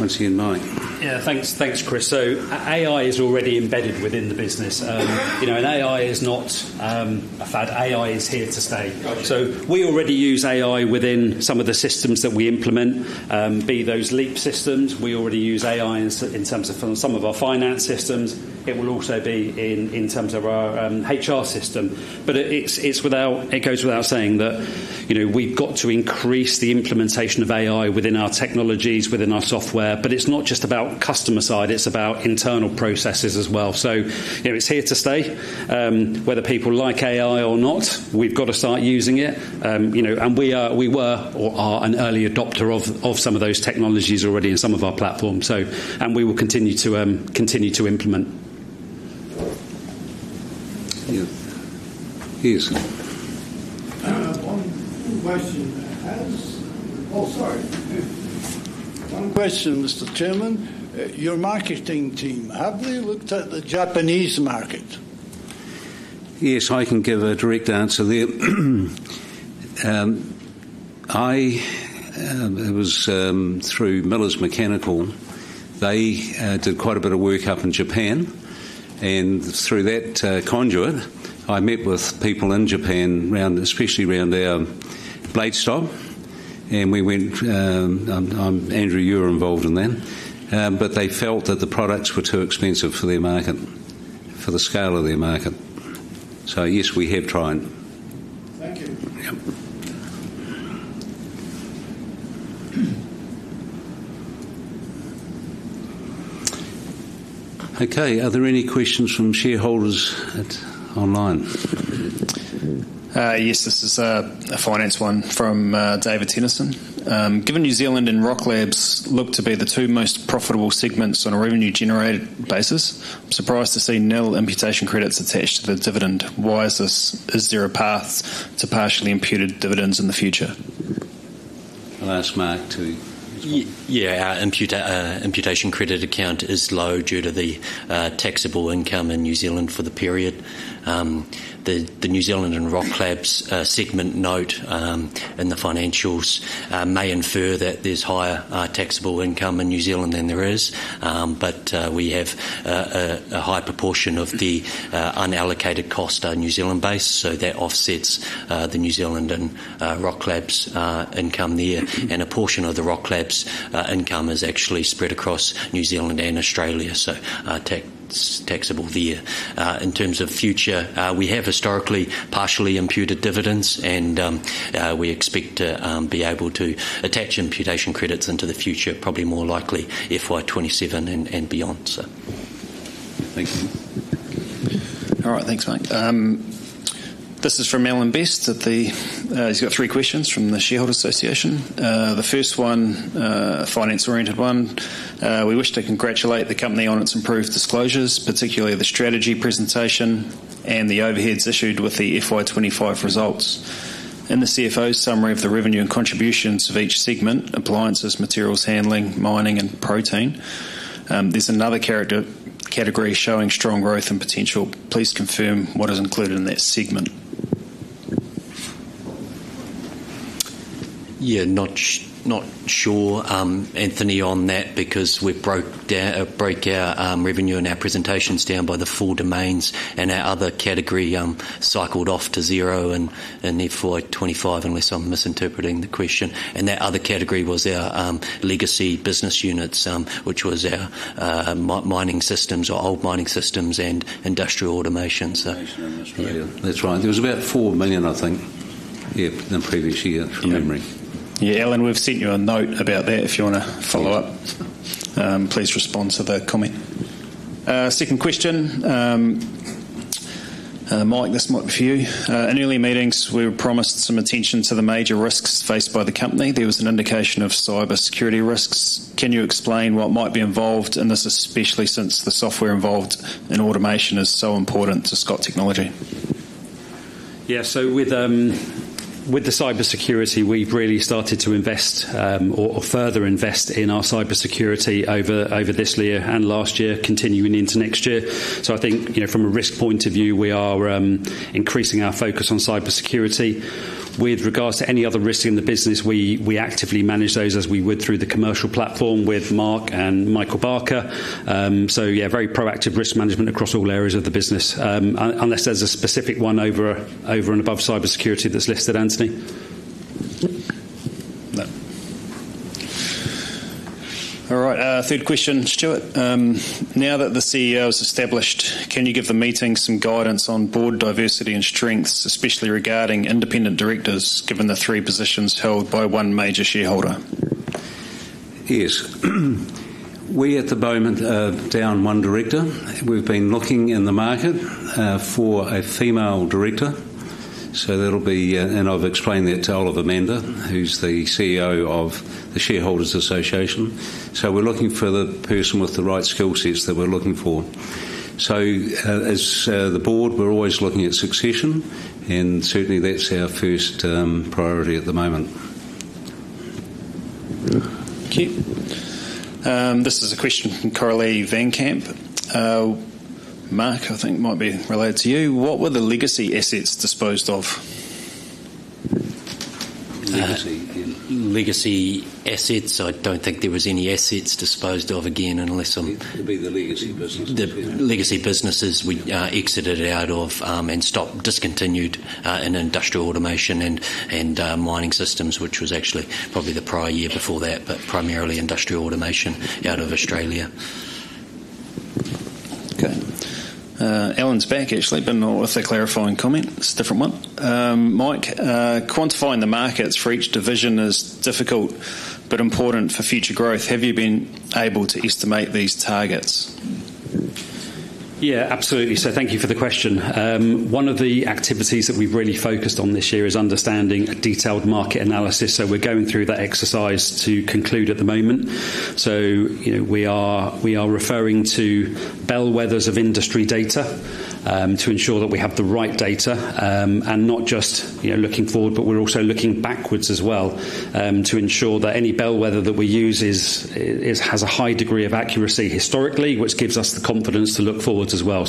again, Mike. Yeah, thanks, Chris. AI is already embedded within the business. AI is not a fad. AI is here to stay. We already use AI within some of the systems that we implement, be those LEAP systems. We already use AI in terms of some of our finance systems. It will also be in terms of our HR system. It goes without saying that we've got to increase the implementation of AI within our technologies, within our software. It's not just about customer side. It's about internal processes as well. It's here to stay. Whether people like AI or not, we've got to start using it. We were or are an early adopter of some of those technologies already in some of our platforms. We will continue to implement. Yes. One question. Oh, sorry. One question, Mr. Chairman. Your marketing team, have they looked at the Japanese market? Yes, I can give a direct answer there. It was through Miller's Mechanical. They did quite a bit of work up in Japan. Through that conduit, I met with people in Japan, especially around their BladeStop. We went, Andrew, you were involved in that. They felt that the products were too expensive for their market, for the scale of their market. Yes, we have tried. Thank you. Okay. Are there any questions from shareholders online? Yes, this is a finance one from David Tennyson. Given New Zealand and RockLabs look to be the two most profitable segments on a revenue-generated basis, I'm surprised to see nil imputation credits attached to the dividend. Why is this? Is there a path to partially imputed dividends in the future? I'll ask Mark to. Yeah, our imputation credit account is low due to the taxable income in New Zealand for the period. The New Zealand and RockLabs segment note in the financials may infer that there's higher taxable income in New Zealand than there is. We have a high proportion of the unallocated cost on New Zealand base. That offsets the New Zealand and RockLabs income there. A portion of the RockLabs income is actually spread across New Zealand and Australia. Taxable there. In terms of future, we have historically partially imputed dividends, and we expect to be able to attach imputation credits into the future, probably more likely FY 2027 and beyond. Thank you. All right, thanks, Mike. This is from Alan Best. He's got three questions from the Shareholders Association. The first one, a finance-oriented one. We wish to congratulate the company on its improved disclosures, particularly the strategy presentation and the overheads issued with the FY 2025 results. In the CFO's summary of the revenue and contributions of each segment, appliances, materials handling, mining, and protein, there's another category showing strong growth and potential. Please confirm what is included in that segment. Yeah, not sure, Anthony, on that because we broke our revenue and our presentations down by the four domains and our other category cycled off to zero in FY 2025 unless I'm misinterpreting the question. That other category was our legacy business units, which was our mining systems, or old mining systems, and industrial automation. That's right. It was about 4 million, I think, yeah, in the previous year from memory. Yeah, Alan, we've sent you a note about that if you want to follow up. Please respond to the comment. Second question. Mike, this might be for you. In early meetings, we were promised some attention to the major risks faced by the company. There was an indication of cybersecurity risks. Can you explain what might be involved in this, especially since the software involved in automation is so important to Scott Technology? Yeah, with the cybersecurity, we've really started to invest or further invest in our cybersecurity over this year and last year, continuing into next year. I think from a risk point of view, we are increasing our focus on cybersecurity. With regards to any other risk in the business, we actively manage those as we would through the commercial platform with Mark and Michael Barker. Yeah, very proactive risk management across all areas of the business, unless there's a specific one over and above cybersecurity that's listed, Anthony. No. All right, third question, Stuart. Now that the CEO has established, can you give the meeting some guidance on board diversity and strengths, especially regarding independent directors given the three positions held by one major shareholder? Yes. We at the moment are down one director. We've been looking in the market for a female director. That'll be, and I've explained that to Oliver Mander, who's the CEO of the Shareholders Association. We're looking for the person with the right skill sets that we're looking for. As the board, we're always looking at succession, and certainly that's our first priority at the moment. Okay. This is a question from [Coralie Van Camp]. Mark, I think might be related to you. What were the legacy assets disposed of? Legacy assets. I don't think there were any assets disposed of again. The legacy businesses were exited out of and discontinued in industrial automation and mining systems, which was actually probably the prior year before that, but primarily industrial automation out of Australia. Okay. Alan's back, actually, but not with a clarifying comment. It's a different one. Mike, quantifying the markets for each division is difficult but important for future growth. Have you been able to estimate these targets? Yeah, absolutely. Thank you for the question. One of the activities that we've really focused on this year is understanding detailed market analysis. We're going through that exercise to conclude at the moment. We are referring to bellwethers of industry data to ensure that we have the right data and not just looking forward, but we're also looking backwards as well to ensure that any bellwether that we use has a high degree of accuracy historically, which gives us the confidence to look forwards as well.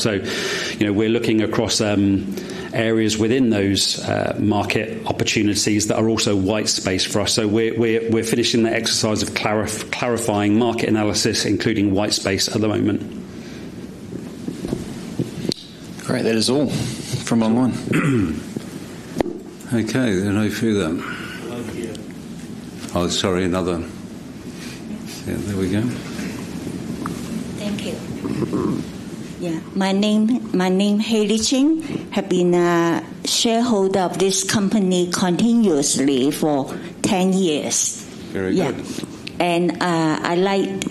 We're looking across areas within those market opportunities that are also white space for us. We're finishing the exercise of clarifying market analysis, including white space at the moment. All right, that is all from online. Okay, there are no further. Oh, sorry, another. Yeah, there we go. Thank you. Yeah, my name, [Hayley Cheng], have been a shareholder of this company continuously for 10 years. Very good. I like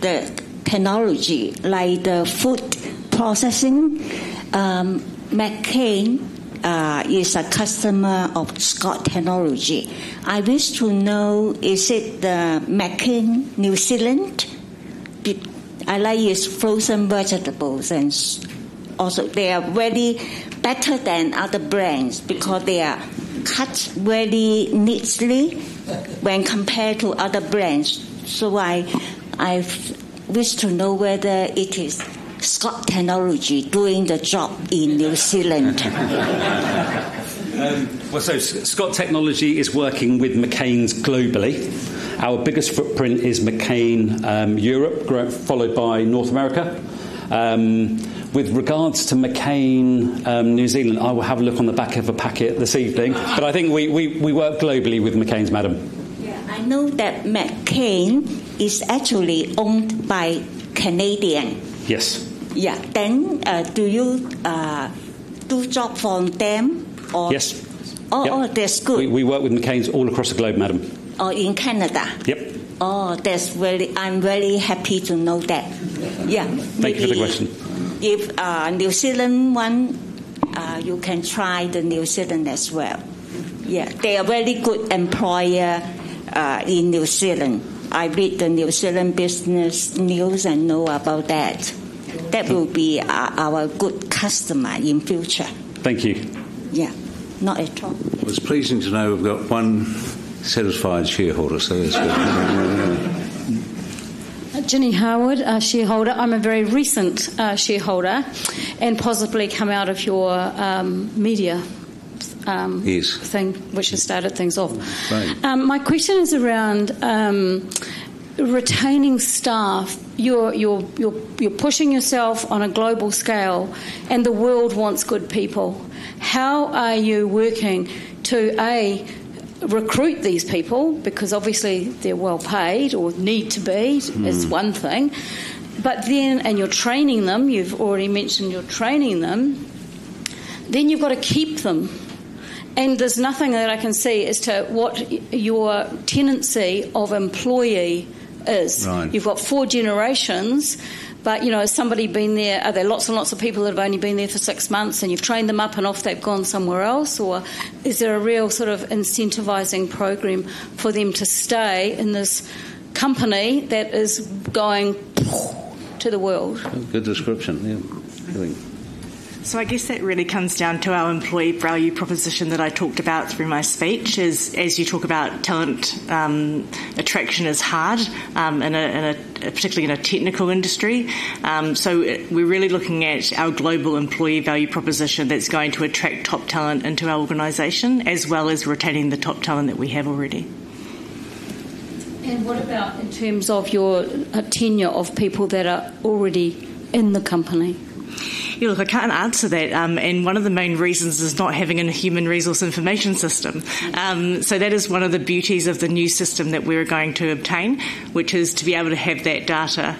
the technology, like the food processing. McCain is a customer of Scott Technology. I wish to know, is it the McCain New Zealand? I like its frozen vegetables and also. They are really better than other brands because they are cut really neatly when compared to other brands. I wish to know whether it is Scott Technology doing the job in New Zealand. Scott Technology is working with McCain's globally. Our biggest footprint is McCain Europe, followed by North America. With regards to McCain New Zealand, I will have a look on the back of a packet this evening. I think we work globally with McCain's, madam. Yeah, I know that McCain is actually owned by Canadian. Yes. Yeah, do you do job for them or? Yes. Oh, that's good. We work with McCain's all across the globe, madam. Oh, in Canada? Oh, I'm very happy to know that. Yeah. Thank you for the question. If New Zealand one, you can try the New Zealand as well. Yeah, they are a very good employer in New Zealand. I read the New Zealand business news and know about that. That will be our good customer in the future. Thank you. Yeah, not at all. It was pleasing to know we've got one satisfied shareholder. So that's good. Jenny Howard, shareholder. I'm a very recent shareholder and possibly come out of your media thing, which has started things off. My question is around retaining staff. You're pushing yourself on a global scale, and the world wants good people. How are you working to, A, recruit these people? Because obviously they're well paid or need to be. It's one thing. But then, and you're training them. You've already mentioned you're training them. You have got to keep them. There is nothing that I can see as to what your tenancy of employee is. You have four generations, but has somebody been there? Are there lots and lots of people that have only been there for six months, and you have trained them up and off, they have gone somewhere else? Is there a real sort of incentivizing program for them to stay in this company that is going to the world? Good description. Yeah. I guess that really comes down to our employee value proposition that I talked about through my speech. As you talk about talent, attraction is hard, particularly in a technical industry. We are really looking at our global employee value proposition that is going to attract top talent into our organization, as well as retaining the top talent that we have already. What about in terms of your tenure of people that are already in the company? Yeah, look, I can't answer that. One of the main reasons is not having a human resource information system. That is one of the beauties of the new system that we're going to obtain, which is to be able to have that data.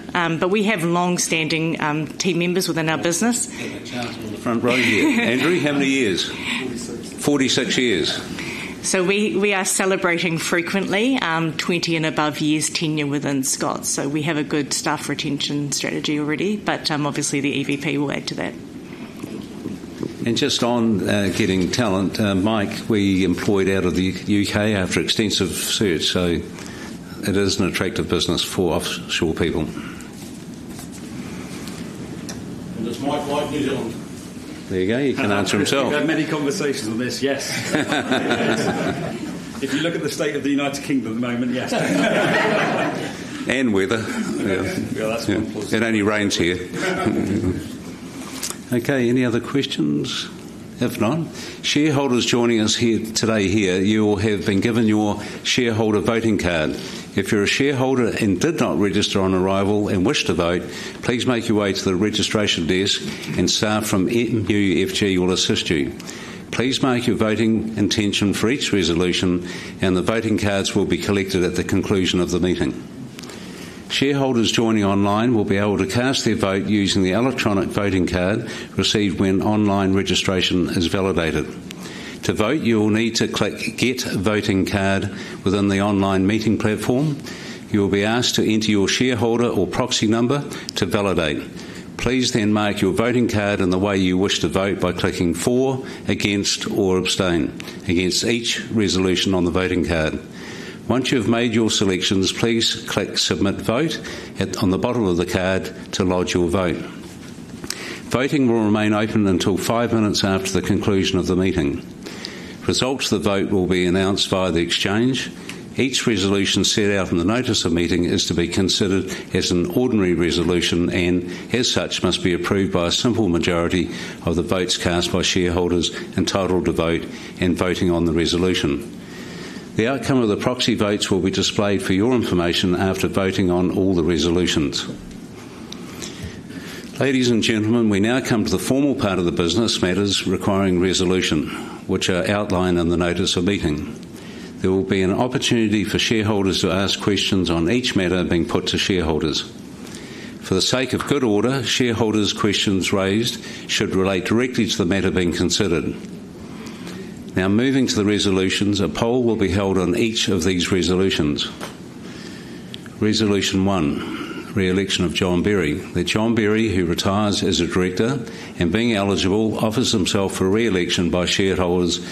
We have long-standing team members within our business. I've got Charles in the front row here. Andrew, how many years? Forty-six years. We are celebrating frequently 20 and above years tenure within Scott. We have a good staff retention strategy already, but obviously the EVP will add to that. Just on getting talent, Mike, we employed out of the U.K. after extensive search. It is an attractive business for offshore people. It's New Zealand. There you go. He can answer himself. We've had many conversations on this. Yes. If you look at the state of the United Kingdom at the moment, yes. And weather. Yeah, that's one positive. It only rains here. Okay, any other questions? If not, shareholders joining us today here, you will have been given your shareholder voting card. If you're a shareholder and did not register on arrival and wish to vote, please make your way to the registration desk, and staff from MUFG will assist you. Please mark your voting intention for each resolution, and the voting cards will be collected at the conclusion of the meeting. Shareholders joining online will be able to cast their vote using the electronic voting card received when online registration is validated. To vote, you will need to click "Get Voting Card" within the online meeting platform. You will be asked to enter your shareholder or proxy number to validate. Please then mark your voting card in the way you wish to vote by clicking "For," "Against," or "Abstain" against each resolution on the voting card. Once you've made your selections, please click "Submit Vote" on the bottom of the card to lodge your vote. Voting will remain open until five minutes after the conclusion of the meeting. Results of the vote will be announced via the exchange. Each resolution set out in the notice of meeting is to be considered as an ordinary resolution and, as such, must be approved by a simple majority of the votes cast by shareholders entitled to vote and voting on the resolution. The outcome of the proxy votes will be displayed for your information after voting on all the resolutions. Ladies and gentlemen, we now come to the formal part of the business matters requiring resolution, which are outlined in the notice of meeting. There will be an opportunity for shareholders to ask questions on each matter being put to shareholders. For the sake of good order, shareholders' questions raised should relate directly to the matter being considered. Now, moving to the resolutions, a poll will be held on each of these resolutions. Resolution One, re-election of John Berry. That John Berry, who retires as a director and being eligible, offers himself for re-election by shareholders to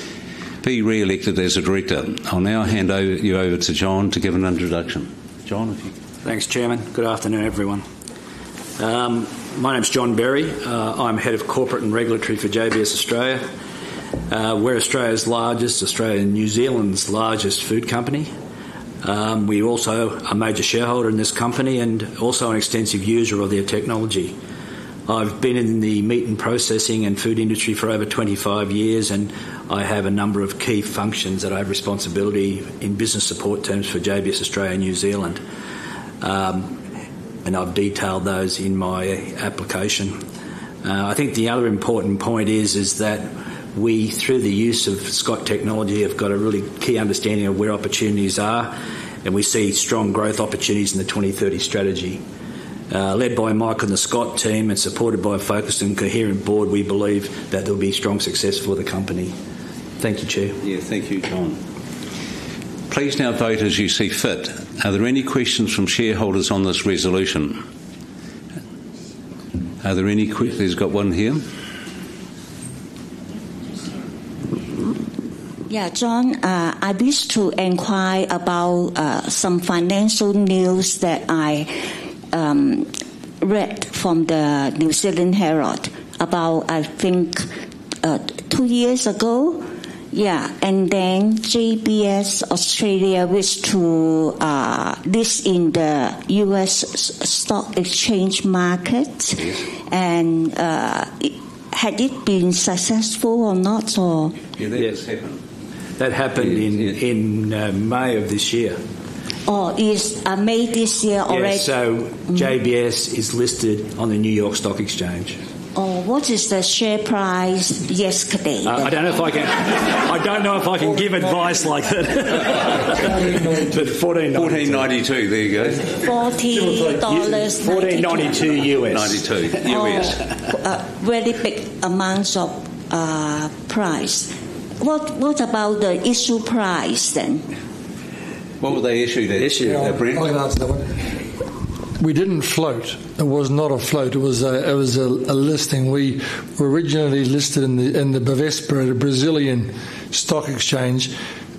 be re-elected as a director. I'll now hand you over to John to give an introduction. John, if you can. Thanks, Chairman. Good afternoon, everyone. My name is John Berry. I'm head of corporate and regulatory for JBS Australia. We're Australia's largest, Australia and New Zealand's largest food company. We also are a major shareholder in this company and also an extensive user of their technology. I've been in the meat and processing and food industry for over 25 years, and I have a number of key functions that I have responsibility in business support terms for JBS Australia and New Zealand. I have detailed those in my application. I think the other important point is that we, through the use of Scott Technology, have got a really key understanding of where opportunities are, and we see strong growth opportunities in the 2030 strategy. Led by Mike and the Scott team and supported by a focused and coherent board, we believe that there will be strong success for the company. Thank you, Chair. Thank you, John. Please now vote as you see fit. Are there any questions from shareholders on this resolution? Are there any? We've got one here. Yeah, John, I wish to inquire about some financial news that I read from the New Zealand Herald about, I think, two years ago. Yeah, and then JBS Australia wished to list in the U.S. stock exchange market. Had it been successful or not? Yeah, that happened. That happened in May of this year. Oh, is May this year already? Yeah, so JBS is listed on the New York Stock Exchange. Oh, what is the share price yesterday? I don't know if I can—I don't know if I can give advice like that. $14.92. $14.92, there you go. $14.92. Really big amounts of price. What about the issue price then? What were they issued at? We didn't float. There was not a float. It was a listing. We were originally listed in the Bovespa at a Brazilian stock exchange,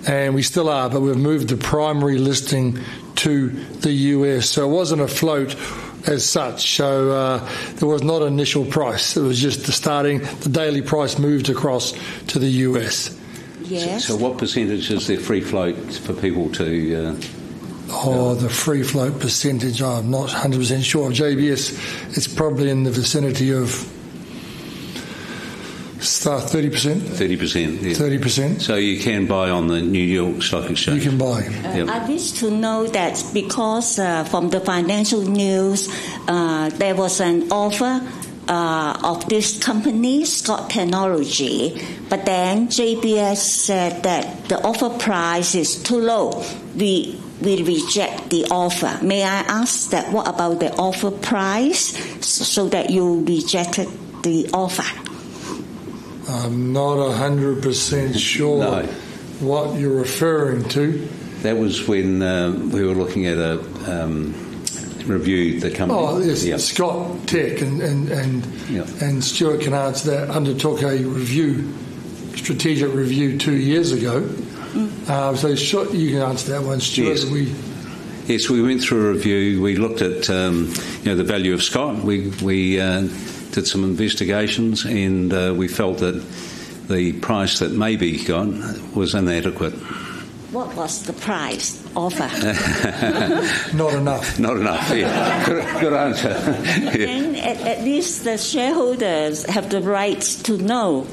and we still are, but we've moved the primary listing to the U.S. It was not a float as such. There was not an initial price. It was just the starting—the daily price moved across to the U.S. Yes. What percentage is the free float for people? The free float percentage, I'm not 100% sure. JBS, it's probably in the vicinity of 30%. 30%, yeah. 30%. You can buy on the New York Stock Exchange. You can buy. I wish to know that because from the financial news, there was an offer of this company, Scott Technology, but then JBS said that the offer price is too low. We reject the offer. May I ask that? What about the offer price so that you rejected the offer? I'm not 100% sure what you're referring to. That was when we were looking at a review, the company. Oh, it's Scott Tech, and Stuart can answer that. Undertook a review, strategic review two years ago. You can answer that one, Stuart. Yes, we went through a review. We looked at the value of Scott. We did some investigations, and we felt that the price that maybe got was inadequate. What was the price offer? Not enough. Not enough. Yeah. Good answer. At least the shareholders have the right to know.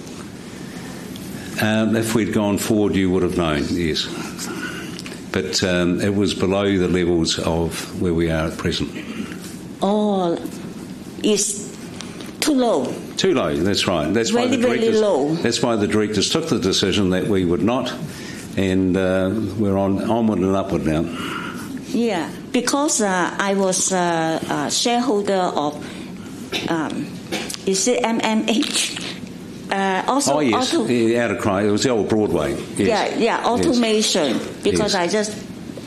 If we'd gone forward, you would have known, yes. It was below the levels of where we are at present. Oh, it's too low. Too low, that's right. That's why the directors—Really, really low. That's why the directors took the decision that we would not, and we're onward and upward now. Yeah, because I was a shareholder of—is it MMH? Oh, yes. Out of Christchurch. It was the old Broadway. Yeah, yeah, automation. Because I just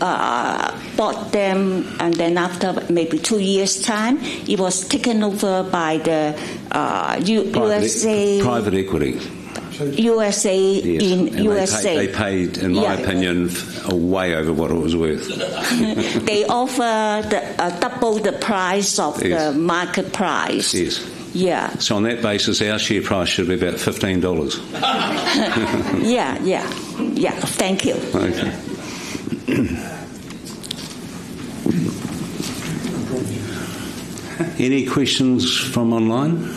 bought them, and then after maybe two years' time, it was taken over by the U.S. They paid, in my opinion, way over what it was worth. They offered double the price of the market price. Yes. Yeah. On that basis, our share price should be about $15. Yeah, yeah. Yeah, thank you. Okay. Any questions from online?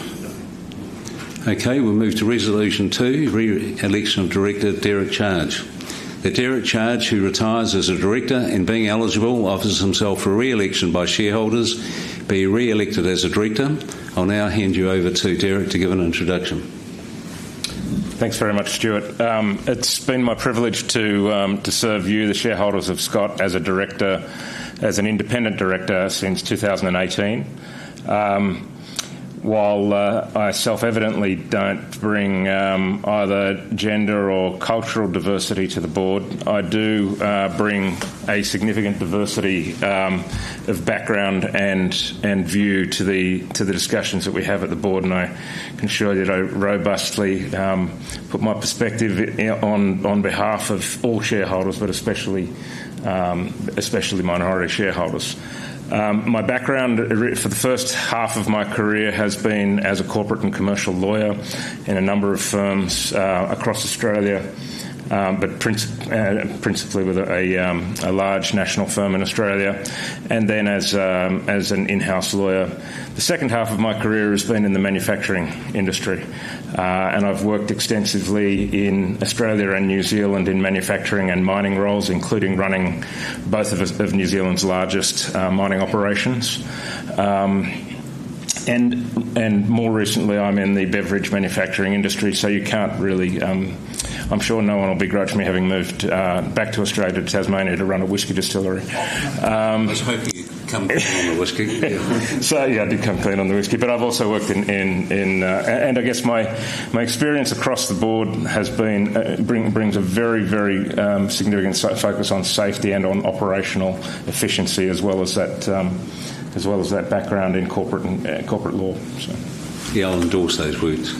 Okay, we will move to resolution two, re-election of director Derek Charge. The Derek Charge, who retires as a director and being eligible, offers himself for re-election by shareholders to be re-elected as a director. I will now hand you over to Derek to give an introduction. Thanks very much, Stuart. It's been my privilege to serve you, the shareholders of Scott, as a director, as an independent director since 2018. While I self-evidently don't bring either gender or cultural diversity to the board, I do bring a significant diversity of background and view to the discussions that we have at the board, and I can assure you that I robustly put my perspective on behalf of all shareholders, but especially minority shareholders. My background for the first half of my career has been as a corporate and commercial lawyer in a number of firms across Australia, but principally with a large national firm in Australia, and then as an in-house lawyer. The second half of my career has been in the manufacturing industry, and I've worked extensively in Australia and New Zealand in manufacturing and mining roles, including running both of New Zealand's largest mining operations. More recently, I'm in the beverage manufacturing industry, so you can't really—I’m sure no one will begrudge me having moved back to Australia, to Tasmania, to run a whisky distillery. I was hoping you'd come clean on the whisky. Yeah, I did come clean on the whisky, but I've also worked in—and I guess my experience across the board has been—brings a very, very significant focus on safety and on operational efficiency, as well as that background in corporate law. I'll endorse those words.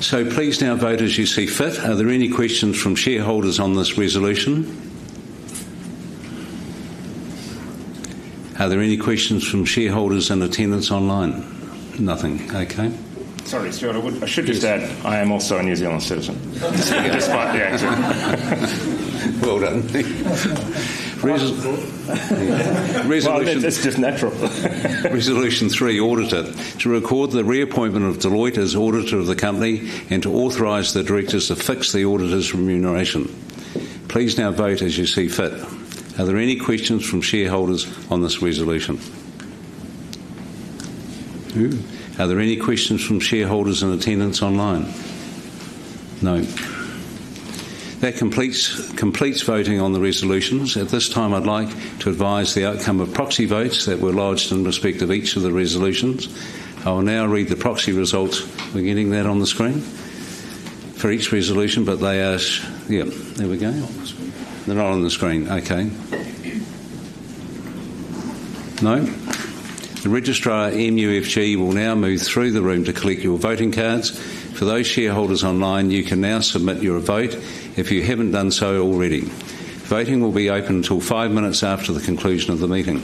Please now vote as you see fit. Are there any questions from shareholders on this resolution? Are there any questions from shareholders in attendance online? Nothing. Okay. Sorry, Stuart, I should just add I am also a New Zealand citizen, despite the answer. That's just natural. Resolution three, auditor. To record the reappointment of Deloitte as auditor of the company and to authorize the directors to fix the auditor's remuneration. Please now vote as you see fit. Are there any questions from shareholders on this resolution? Are there any questions from shareholders and attendants online? No. That completes voting on the resolutions. At this time, I'd like to advise the outcome of proxy votes that were lodged in respect of each of the resolutions. I will now read the proxy results. We're getting that on the screen for each resolution. There we go. They're not on the screen. Okay. No. The registrar at MUFG will now move through the room to collect your voting cards. For those shareholders online, you can now submit your vote if you haven't done so already. Voting will be open until five minutes after the conclusion of the meeting.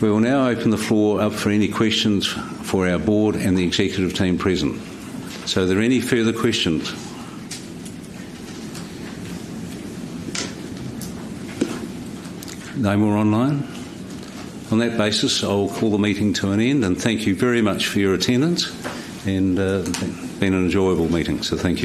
We will now open the floor up for any questions for our board and the executive team present. Are there any further questions? No more online? On that basis, I will call the meeting to an end, and thank you very much for your attendance, and it's been an enjoyable meeting, so thank you.